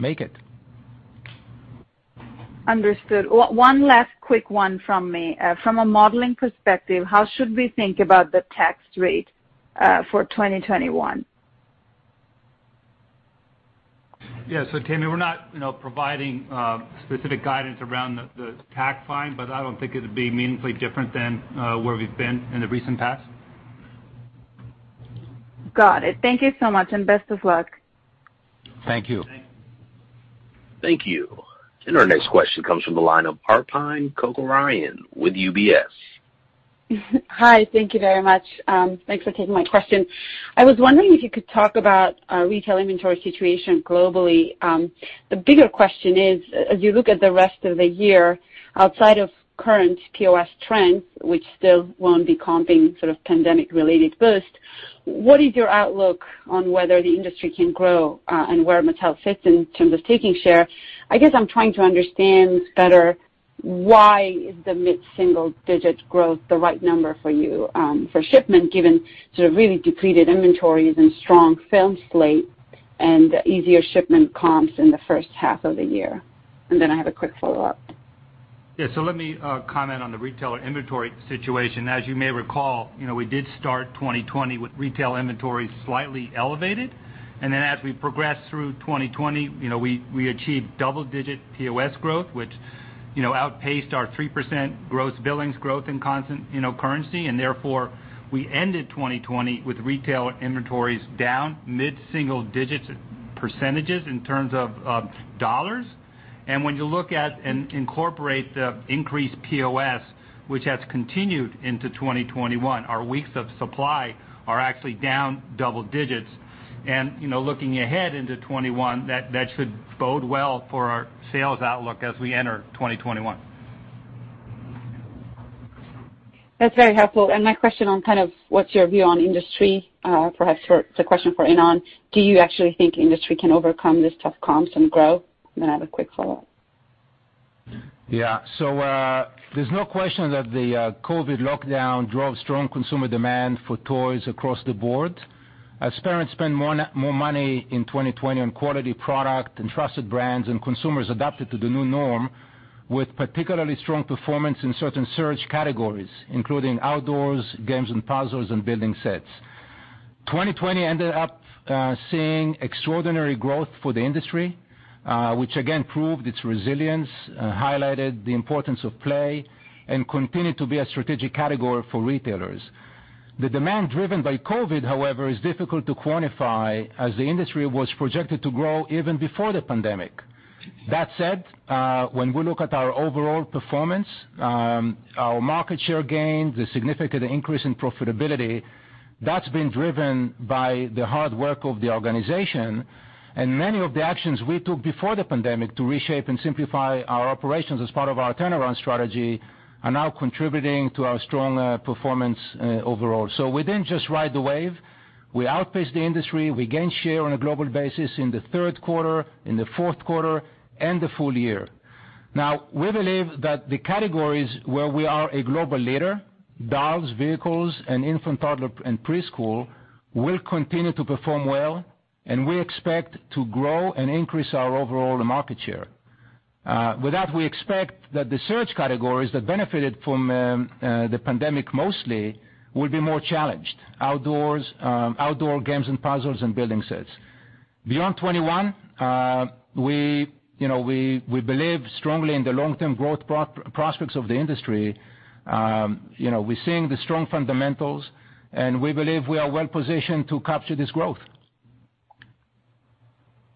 make it. Understood. One last quick one from me. From a modeling perspective, how should we think about the tax rate for 2021? Yeah, so Tammy, we're not providing specific guidance around the tax line, but I don't think it would be meaningfully different than where we've been in the recent past. Got it. Thank you so much and best of luck. Thank you. Thank you. Our next question comes from the line of Arpine Khederlarian with UBS. Hi, thank you very much. Thanks for taking my question. I was wondering if you could talk about our retail inventory situation globally. The bigger question is, as you look at the rest of the year outside of current POS trends, which still will not be comping sort of pandemic-related boost, what is your outlook on whether the industry can grow and where Mattel sits in terms of taking share? I guess I am trying to understand better why is the mid-single-digit growth the right number for you for shipment, given sort of really depleted inventories and strong film slate and easier shipment comps in the first half of the year? I have a quick follow-up. Yeah, let me comment on the retailer inventory situation. As you may recall, we did start 2020 with retail inventories slightly elevated. As we progressed through 2020, we achieved double-digit POS growth, which outpaced our 3% gross billings growth in constant currency. Therefore, we ended 2020 with retail inventories down mid-single-digit percentages in terms of dollars. When you look at and incorporate the increased POS, which has continued into 2021, our weeks of supply are actually down double digits. Looking ahead into 2021, that should bode well for our sales outlook as we enter 2021. That's very helpful. My question on kind of what's your view on industry, perhaps it's a question for Ynon. Do you actually think industry can overcome this tough comps and grow? I have a quick follow-up. Yeah. There's no question that the COVID lockdown drove strong consumer demand for toys across the board. As parents spent more money in 2020 on quality product and trusted brands, and consumers adapted to the new norm with particularly strong performance in certain search categories, including outdoors, games and puzzles, and building sets. 2020 ended up seeing extraordinary growth for the industry, which again proved its resilience, highlighted the importance of play, and continued to be a strategic category for retailers. The demand driven by COVID, however, is difficult to quantify as the industry was projected to grow even before the pandemic. That said, when we look at our overall performance, our market share gained, the significant increase in profitability, that's been driven by the hard work of the organization. Many of the actions we took before the pandemic to reshape and simplify our operations as part of our turnaround strategy are now contributing to our strong performance overall. We did not just ride the wave. We outpaced the industry. We gained share on a global basis in the third quarter, in the fourth quarter, and the full year. Now, we believe that the categories where we are a global leader, dolls, vehicles, and infant, toddler, and preschool, will continue to perform well, and we expect to grow and increase our overall market share. With that, we expect that the search categories that benefited from the pandemic mostly will be more challenged: outdoors, outdoor games and puzzles, and building sets. Beyond 2021, we believe strongly in the long-term growth prospects of the industry. We're seeing the strong fundamentals, and we believe we are well-positioned to capture this growth.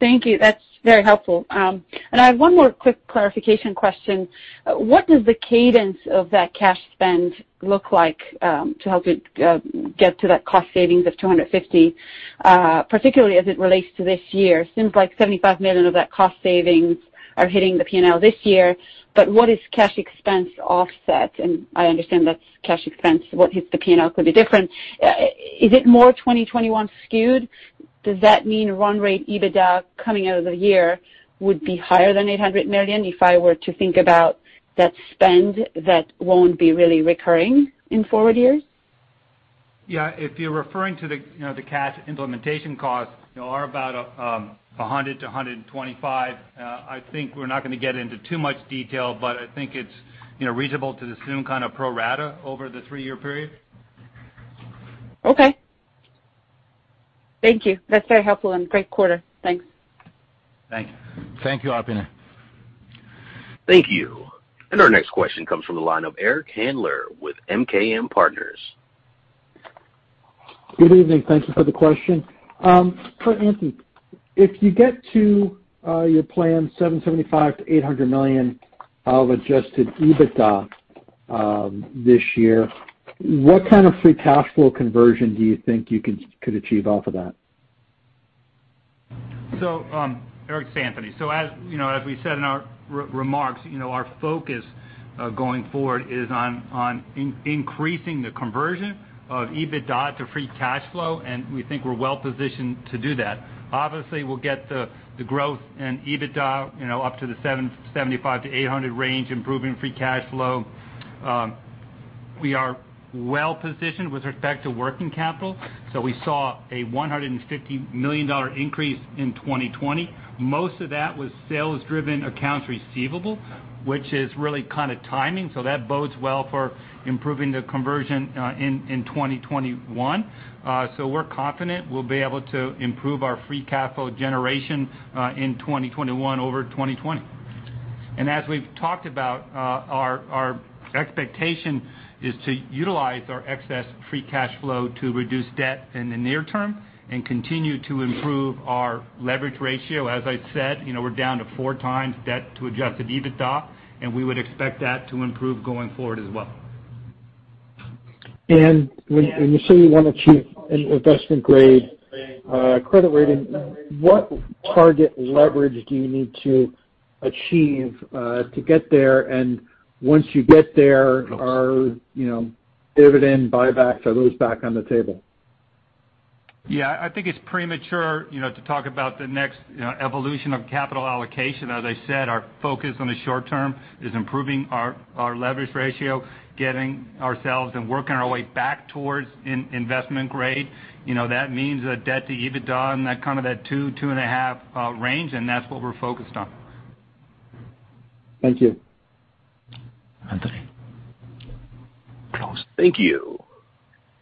Thank you. That's very helpful. I have one more quick clarification question. What does the cadence of that cash spend look like to help you get to that cost savings of $250 million, particularly as it relates to this year? It seems like $75 million of that cost savings are hitting the P&L this year, but what is cash expense offset? I understand that's cash expense. What hits the P&L could be different. Is it more 2021 skewed? Does that mean run rate EBITDA coming out of the year would be higher than $800 million if I were to think about that spend that will not be really recurring in forward years? Yeah, if you're referring to the cash implementation costs, they are about $100 million-$125 million. I think we're not going to get into too much detail, but I think it's reasonable to assume kind of pro rata over the three-year period. Okay. Thank you. That's very helpful and great quarter. Thanks. Thank you. Thank you, Art Pina. Thank you. Our next question comes from the line of Eric Handler with MKM Partners. Good evening. Thank you for the question. For Anthony, if you get to your planned $775 million-$800 million of adjusted EBITDA this year, what kind of free cash flow conversion do you think you could achieve off of that? Eric, Anthony. As we said in our remarks, our focus going forward is on increasing the conversion of EBITDA to free cash flow, and we think we're well-positioned to do that. Obviously, we'll get the growth in EBITDA up to the $775 million-$800 million range, improving free cash flow. We are well-positioned with respect to working capital. We saw a $150 million increase in 2020. Most of that was sales-driven accounts receivable, which is really kind of timing. That bodes well for improving the conversion in 2021. We are confident we will be able to improve our free cash flow generation in 2021 over 2020. As we have talked about, our expectation is to utilize our excess free cash flow to reduce debt in the near term and continue to improve our leverage ratio. As I said, we are down to four times debt to adjusted EBITDA, and we would expect that to improve going forward as well. When you say you want to achieve an investment-grade credit rating, what target leverage do you need to achieve to get there? Once you get there, are dividend buybacks or those back on the table? I think it is premature to talk about the next evolution of capital allocation. As I said, our focus in the short term is improving our leverage ratio, getting ourselves and working our way back towards investment grade. That means a debt to EBITDA in that kind of that two, two and a half range, and that's what we're focused on. Thank you. Anthony. Close. Thank you.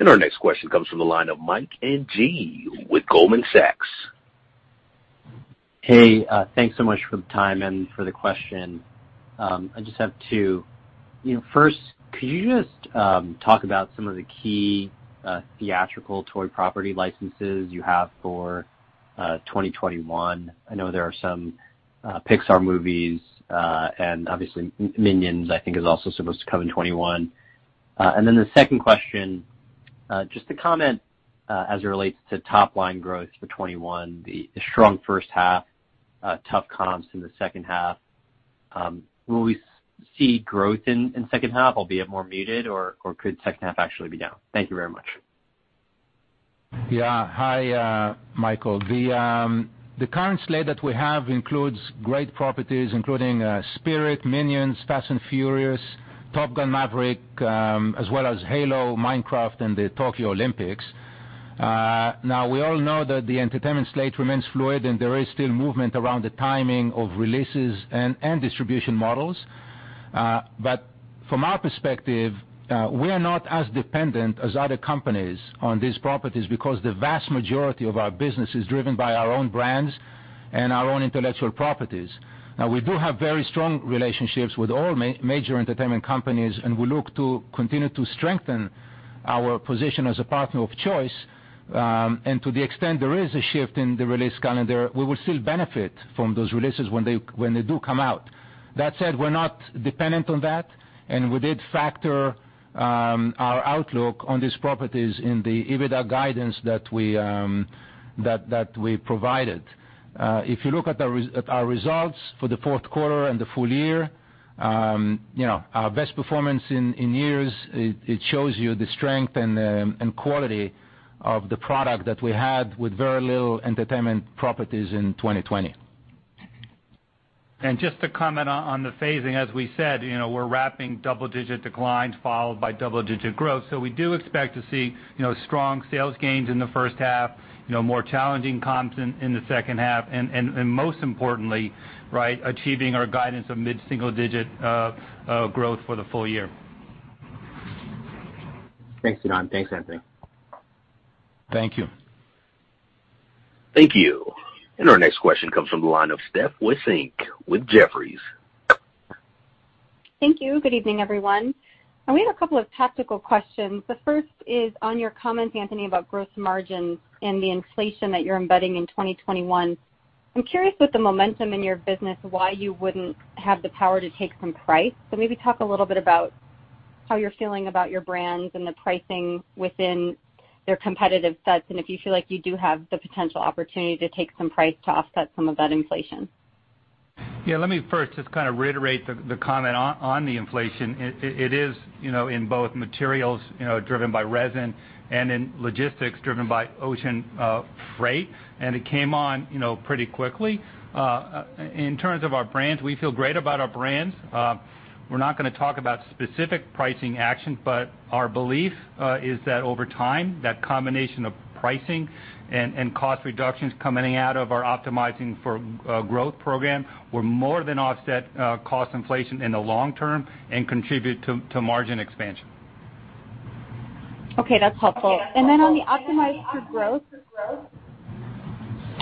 Our next question comes from the line of Mike Ng with Goldman Sachs. Hey, thanks so much for the time and for the question. I just have two. First, could you just talk about some of the key theatrical toy property licenses you have for 2021? I know there are some Pixar movies and obviously Minions, I think, is also supposed to come in 2021. The second question, just to comment as it relates to top-line growth for 2021, the strong first half, tough comps in the second half. Will we see growth in second half, albeit more muted, or could second half actually be down? Thank you very much. Yeah. Hi, Michael. The current slate that we have includes great properties, including Spirit, Minions, Fast and Furious, Top Gun: Maverick, as well as Halo, Minecraft, and the Tokyo Olympics. Now, we all know that the entertainment slate remains fluid, and there is still movement around the timing of releases and distribution models. From our perspective, we are not as dependent as other companies on these properties because the vast majority of our business is driven by our own brands and our own intellectual properties. We do have very strong relationships with all major entertainment companies, and we look to continue to strengthen our position as a partner of choice. To the extent there is a shift in the release calendar, we will still benefit from those releases when they do come out. That said, we're not dependent on that, and we did factor our outlook on these properties in the EBITDA guidance that we provided. If you look at our results for the fourth quarter and the full year, our best performance in years, it shows you the strength and quality of the product that we had with very little entertainment properties in 2020. Just to comment on the phasing, as we said, we're wrapping double-digit declines followed by double-digit growth. We do expect to see strong sales gains in the first half, more challenging comps in the second half, and most importantly, right, achieving our guidance of mid-single-digit growth for the full year. Thanks, Ynon. Thanks, Anthony. Thank you. Thank you. Our next question comes from the line of Steph Wissink with Jefferies. Thank you. Good evening, everyone. We have a couple of tactical questions. The first is on your comments, Anthony, about gross margins and the inflation that you're embedding in 2021. I'm curious, with the momentum in your business, why you wouldn't have the power to take some price. Maybe talk a little bit about how you're feeling about your brands and the pricing within their competitive sets and if you feel like you do have the potential opportunity to take some price to offset some of that inflation. Yeah, let me first just kind of reiterate the comment on the inflation. It is in both materials driven by resin and in logistics driven by ocean freight, and it came on pretty quickly. In terms of our brands, we feel great about our brands. We're not going to talk about specific pricing actions, but our belief is that over time, that combination of pricing and cost reductions coming out of our Optimizing for Growth program will more than offset cost inflation in the long term and contribute to margin expansion. Okay, that's helpful. Then on the Optimized for Growth,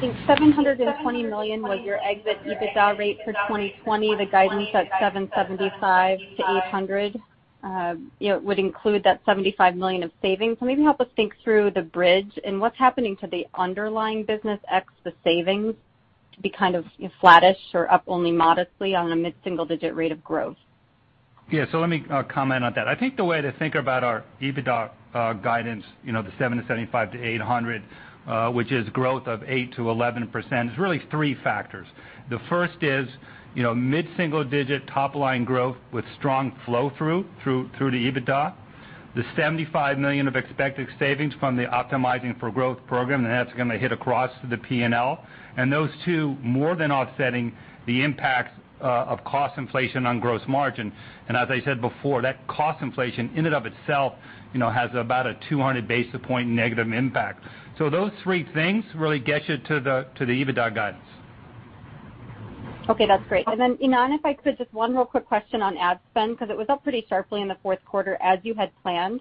I think $720 million was your exit EBITDA rate for 2020, the guidance at $775 million-$800 million would include that $75 million of savings. Maybe help us think through the bridge and what's happening to the underlying business ex the savings to be kind of flattish or up only modestly on a mid-single-digit rate of growth? Yeah, let me comment on that. I think the way to think about our EBITDA guidance, the $775 million-$800 million, which is growth of 8%-11%, is really three factors. The first is mid-single-digit top-line growth with strong flow-through through the EBITDA, the $75 million of expected savings from the Optimizing for Growth program, and that is going to hit across the P&L, and those two more than offsetting the impacts of cost inflation on gross margin. As I said before, that cost inflation in and of itself has about a 200 basis point negative impact. Those three things really get you to the EBITDA guidance. Okay, that's great. Then, Ynon, if I could, just one real quick question on ad spend because it was up pretty sharply in the fourth quarter as you had planned.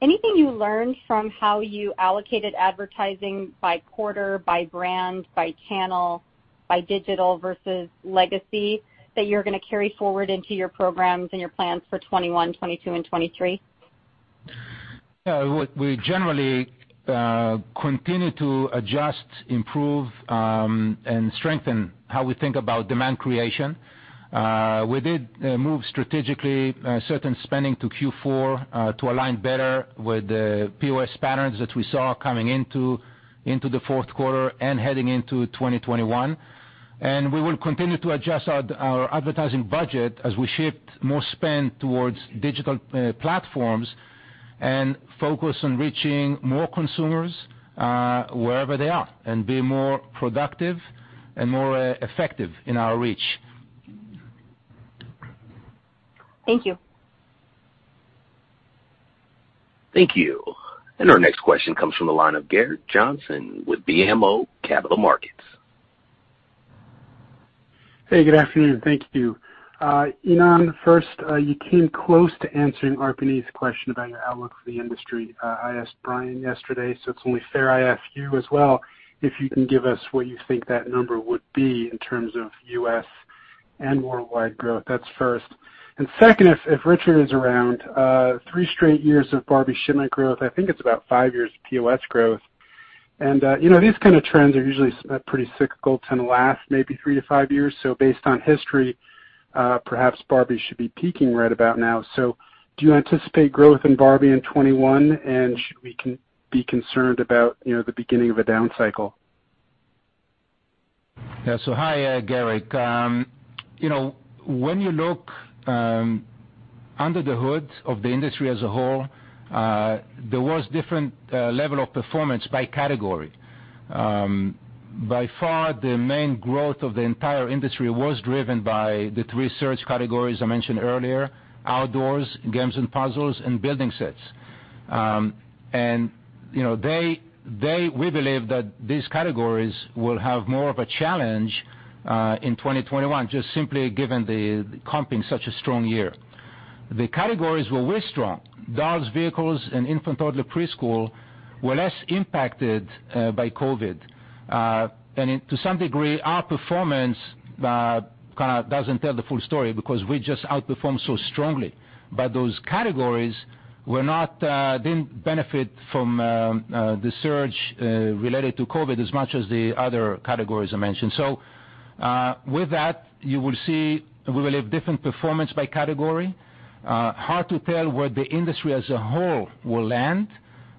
Anything you learned from how you allocated advertising by quarter, by brand, by channel, by digital versus legacy that you're going to carry forward into your programs and your plans for 2021, 2022, and 2023? Yeah, we generally continue to adjust, improve, and strengthen how we think about demand creation. We did move strategically certain spending to Q4 to align better with the POS patterns that we saw coming into the fourth quarter and heading into 2021. We will continue to adjust our advertising budget as we shift more spend towards digital platforms and focus on reaching more consumers wherever they are and be more productive and more effective in our reach. Thank you. Thank you. Our next question comes from the line of Garrett Johnson with BMO Capital Markets. Hey, good afternoon. Thank you. Ynon, first, you came close to answering Arpine's question about your outlook for the industry. I asked Brian yesterday, so it's only fair I ask you as well if you can give us what you think that number would be in terms of U.S. and worldwide growth. That's first. Second, if Richard is around, three straight years of Barbie shipment growth, I think it's about five years of POS growth. These kind of trends are usually pretty cyclical to last maybe three to five years. Based on history, perhaps Barbie should be peaking right about now. Do you anticipate growth in Barbie in 2021, and should we be concerned about the beginning of a down cycle? Yeah, hi, Garrett. When you look under the hood of the industry as a whole, there was different level of performance by category. By far, the main growth of the entire industry was driven by the three search categories I mentioned earlier: outdoors, games and puzzles, and building sets. We believe that these categories will have more of a challenge in 2021, just simply given the comping such a strong year. The categories where we're strong, dolls, vehicles, and infant-toddler preschool, were less impacted by COVID. To some degree, our performance kind of doesn't tell the full story because we just outperformed so strongly. Those categories didn't benefit from the surge related to COVID as much as the other categories I mentioned. With that, you will see we will have different performance by category. Hard to tell where the industry as a whole will land,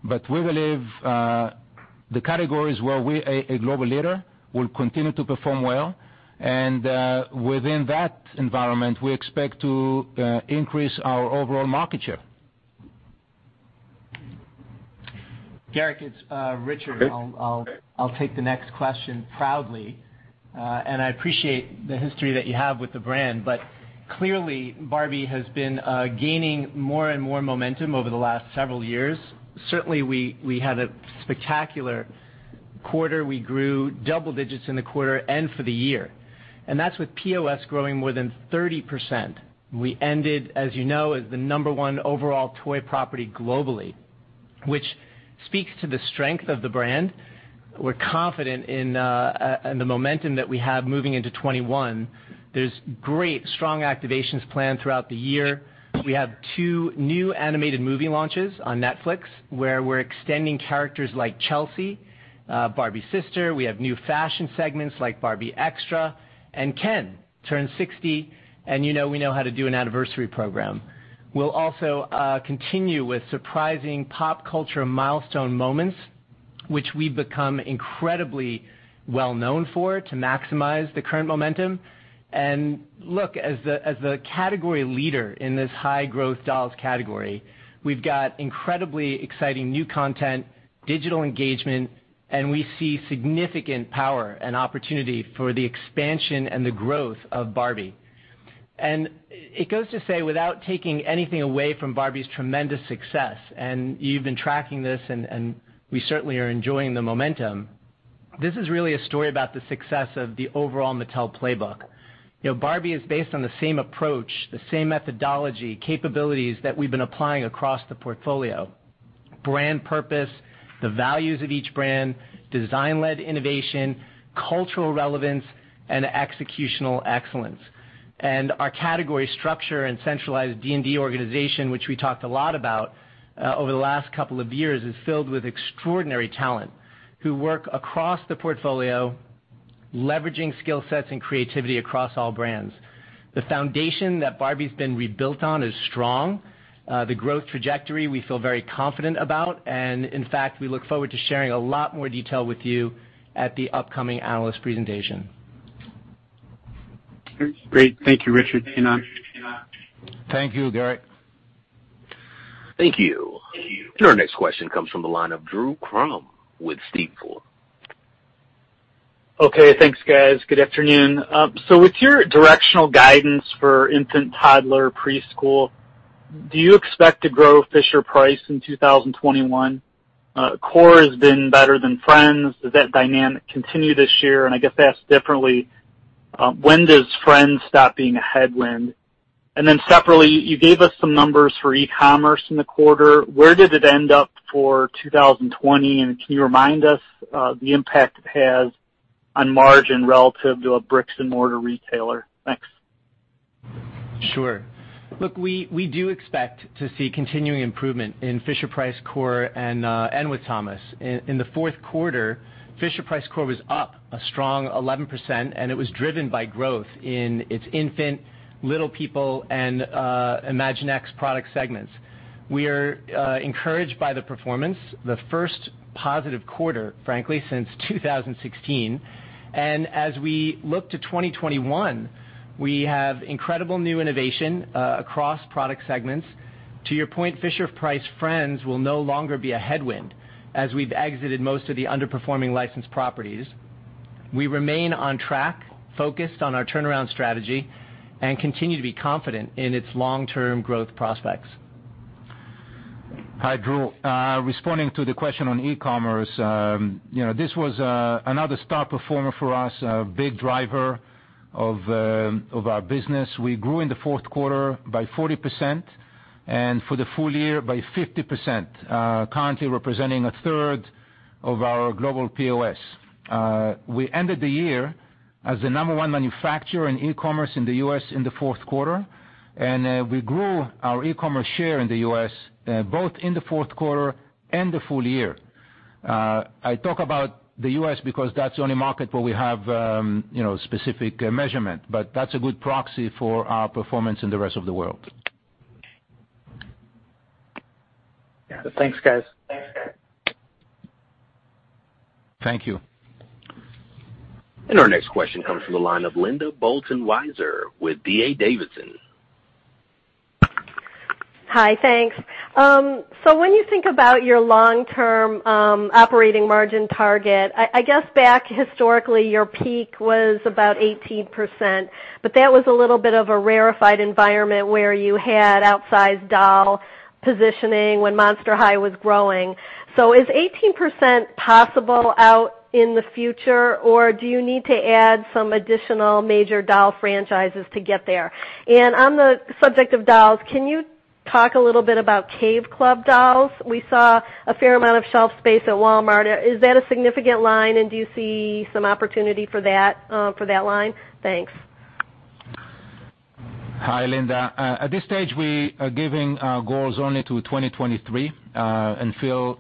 but we believe the categories where we are a global leader will continue to perform well. Within that environment, we expect to increase our overall market share. Garrett, it's Richard. I'll take the next question proudly. I appreciate the history that you have with the brand, but clearly, Barbie has been gaining more and more momentum over the last several years. Certainly, we had a spectacular quarter. We grew double digits in the quarter and for the year. That's with POS growing more than 30%. We ended, as you know, as the number one overall toy property globally, which speaks to the strength of the brand. We're confident in the momentum that we have moving into 2021. There's great, strong activations planned throughout the year. We have two new animated movie launches on Netflix where we're extending characters like Chelsea, Barbie Sister. We have new fashion segments like Barbie Extra, and Ken turns 60, and we know how to do an anniversary program. We'll also continue with surprising pop culture milestone moments, which we become incredibly well known for to maximize the current momentum. Look, as the category leader in this high-growth dolls category, we've got incredibly exciting new content, digital engagement, and we see significant power and opportunity for the expansion and the growth of Barbie. It goes to say, without taking anything away from Barbie's tremendous success, and you've been tracking this, and we certainly are enjoying the momentum, this is really a story about the success of the overall Mattel playbook. Barbie is based on the same approach, the same methodology, capabilities that we've been applying across the portfolio: brand purpose, the values of each brand, design-led innovation, cultural relevance, and executional excellence. Our category structure and centralized D&D organization, which we talked a lot about over the last couple of years, is filled with extraordinary talent who work across the portfolio, leveraging skill sets and creativity across all brands. The foundation that Barbie's been rebuilt on is strong. The growth trajectory we feel very confident about, and in fact, we look forward to sharing a lot more detail with you at the upcoming analyst presentation. Great. Thank you, Richard. Thank you, Garrett. Thank you. Our next question comes from the line of Drew Crum with Steve Ford. Okay, thanks, guys. Good afternoon. With your directional guidance for infant-toddler preschool, do you expect to grow Fisher-Price in 2021? Core has been better than Friends. Does that dynamic continue this year? I guess I ask differently, when does Friends stop being a headwind? Separately, you gave us some numbers for e-commerce in the quarter. Where did it end up for 2020? Can you remind us the impact it has on margin relative to a bricks-and-mortar retailer? Thanks. Sure. Look, we do expect to see continuing improvement in Fisher-Price Core and with Thomas. In the fourth quarter, Fisher-Price Core was up a strong 11%, and it was driven by growth in its infant, Little People, and Imaginext product segments. We are encouraged by the performance, the first positive quarter, frankly, since 2016. As we look to 2021, we have incredible new innovation across product segments. To your point, Fisher-Price Friends will no longer be a headwind as we've exited most of the underperforming licensed properties. We remain on track, focused on our turnaround strategy, and continue to be confident in its long-term growth prospects. Hi, Drew. Responding to the question on e-commerce, this was another star performer for us, a big driver of our business. We grew in the fourth quarter by 40% and for the full year by 50%, currently representing a third of our global POS. We ended the year as the number one manufacturer in e-commerce in the U.S. in the fourth quarter, and we grew our e-commerce share in the U.S. both in the fourth quarter and the full year. I talk about the U.S. because that's the only market where we have specific measurement, but that's a good proxy for our performance in the rest of the world. Thanks, guys. Thank you. Our next question comes from the line of Linda Bolton Weiser with DA Davidson. Hi, thanks. When you think about your long-term operating margin target, I guess back historically, your peak was about 18%, but that was a little bit of a rarefied environment where you had outsized doll positioning when Monster High was growing. Is 18% possible out in the future, or do you need to add some additional major doll franchises to get there? On the subject of dolls, can you talk a little bit about Cave Club dolls? We saw a fair amount of shelf space at Walmart. Is that a significant line, and do you see some opportunity for that line? Thanks. Hi, Linda. At this stage, we are giving our goals only to 2023 and feel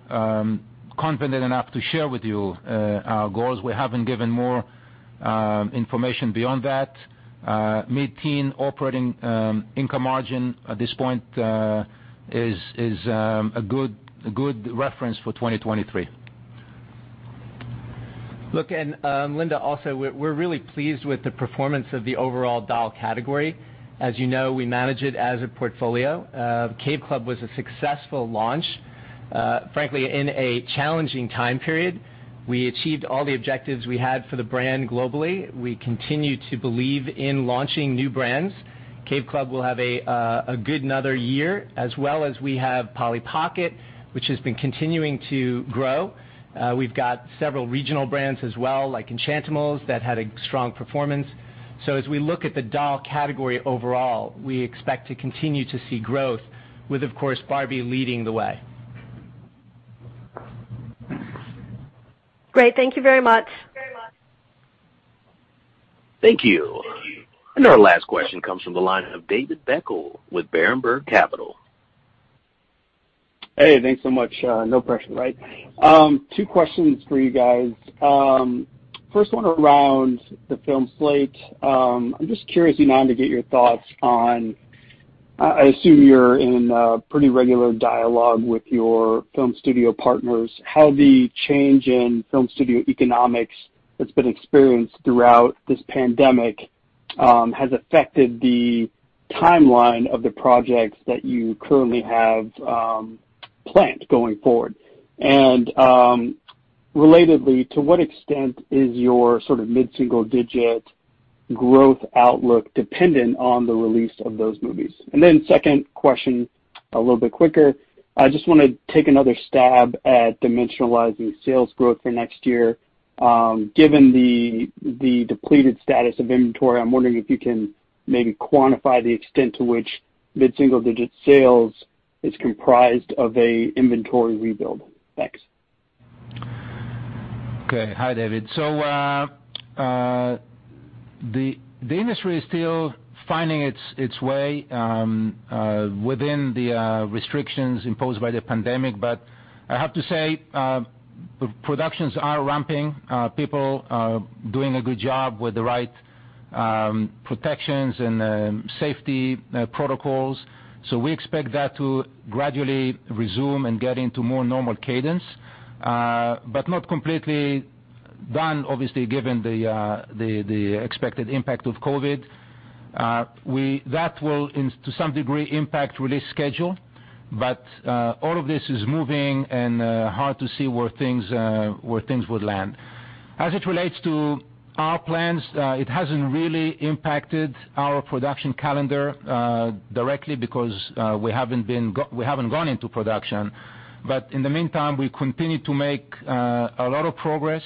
confident enough to share with you our goals. We have not given more information beyond that. Mid-teen operating income margin at this point is a good reference for 2023. Look, and Linda, also we are really pleased with the performance of the overall doll category. As you know, we manage it as a portfolio. Cave Club was a successful launch, frankly, in a challenging time period. We achieved all the objectives we had for the brand globally. We continue to believe in launching new brands. Cave Club will have a good another year, as well as we have Polly Pocket, which has been continuing to grow. We've got several regional brands as well, like Enchantimals, that had a strong performance. As we look at the doll category overall, we expect to continue to see growth with, of course, Barbie leading the way. Great. Thank you very much. Thank you. Our last question comes from the line of David Bekkerle with Barenberg Capital. Hey, thanks so much. No pressure, right? Two questions for you guys. First one around the film slate. I'm just curious, Ynon, to get your thoughts on, I assume you're in pretty regular dialogue with your film studio partners, how the change in film studio economics that's been experienced throughout this pandemic has affected the timeline of the projects that you currently have planned going forward. Relatedly, to what extent is your sort of mid-single-digit growth outlook dependent on the release of those movies? Second question, a little bit quicker, I just want to take another stab at dimensionalizing sales growth for next year. Given the depleted status of inventory, I'm wondering if you can maybe quantify the extent to which mid-single-digit sales is comprised of an inventory rebuild. Thanks. Okay. Hi, David. The industry is still finding its way within the restrictions imposed by the pandemic, but I have to say productions are ramping. People are doing a good job with the right protections and safety protocols. We expect that to gradually resume and get into more normal cadence, but not completely done, obviously, given the expected impact of COVID. That will, to some degree, impact release schedule, but all of this is moving and hard to see where things would land. As it relates to our plans, it hasn't really impacted our production calendar directly because we haven't gone into production. In the meantime, we continue to make a lot of progress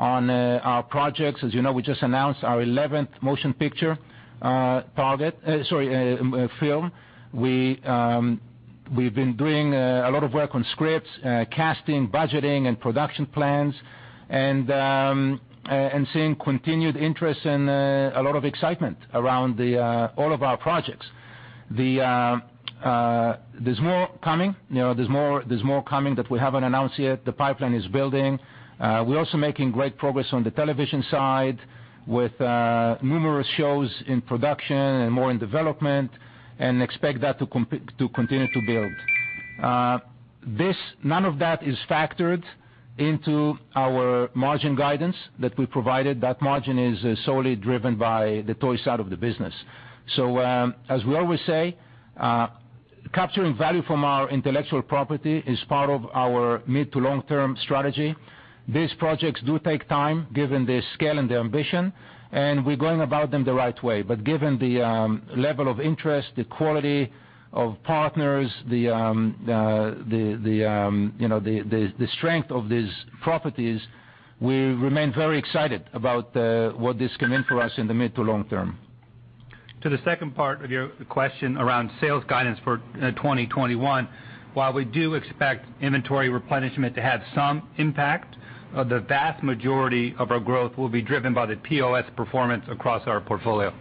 on our projects. As you know, we just announced our 11th motion picture target—sorry, film. We've been doing a lot of work on scripts, casting, budgeting, and production plans, and seeing continued interest and a lot of excitement around all of our projects. There's more coming. There's more coming that we haven't announced yet. The pipeline is building. We're also making great progress on the television side with numerous shows in production and more in development, and expect that to continue to build. None of that is factored into our margin guidance that we provided. That margin is solely driven by the toy side of the business. As we always say, capturing value from our intellectual property is part of our mid-to-long-term strategy. These projects do take time given the scale and the ambition, and we're going about them the right way. Given the level of interest, the quality of partners, the strength of these properties, we remain very excited about what this can mean for us in the mid-to-long term. To the second part of your question around sales guidance for 2021, while we do expect inventory replenishment to have some impact, the vast majority of our growth will be driven by the POS performance across our portfolio.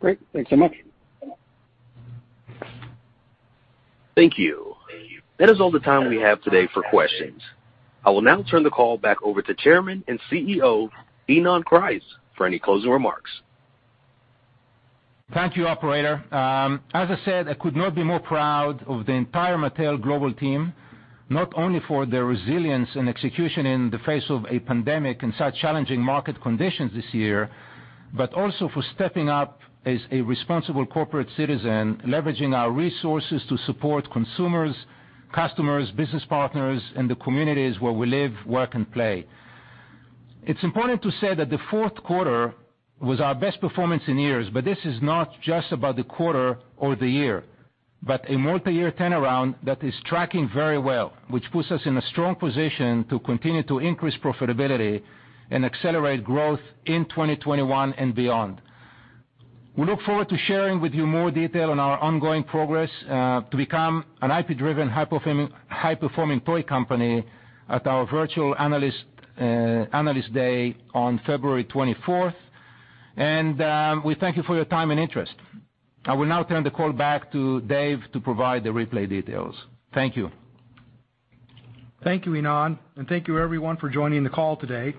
Great. Thanks so much. Thank you. That is all the time we have today for questions. I will now turn the call back over to Chairman and CEO, Ynon Kreiz, for any closing remarks. Thank you, Operator. As I said, I could not be more proud of the entire Mattel global team, not only for their resilience and execution in the face of a pandemic and such challenging market conditions this year, but also for stepping up as a responsible corporate citizen, leveraging our resources to support consumers, customers, business partners, and the communities where we live, work, and play. It's important to say that the fourth quarter was our best performance in years, but this is not just about the quarter or the year, but a multi-year turnaround that is tracking very well, which puts us in a strong position to continue to increase profitability and accelerate growth in 2021 and beyond. We look forward to sharing with you more detail on our ongoing progress to become an IP-driven, high-performing toy company at our virtual analyst day on February 24th. We thank you for your time and interest. I will now turn the call back to Dave to provide the replay details. Thank you. Thank you, Ynon, and thank you, everyone, for joining the call today.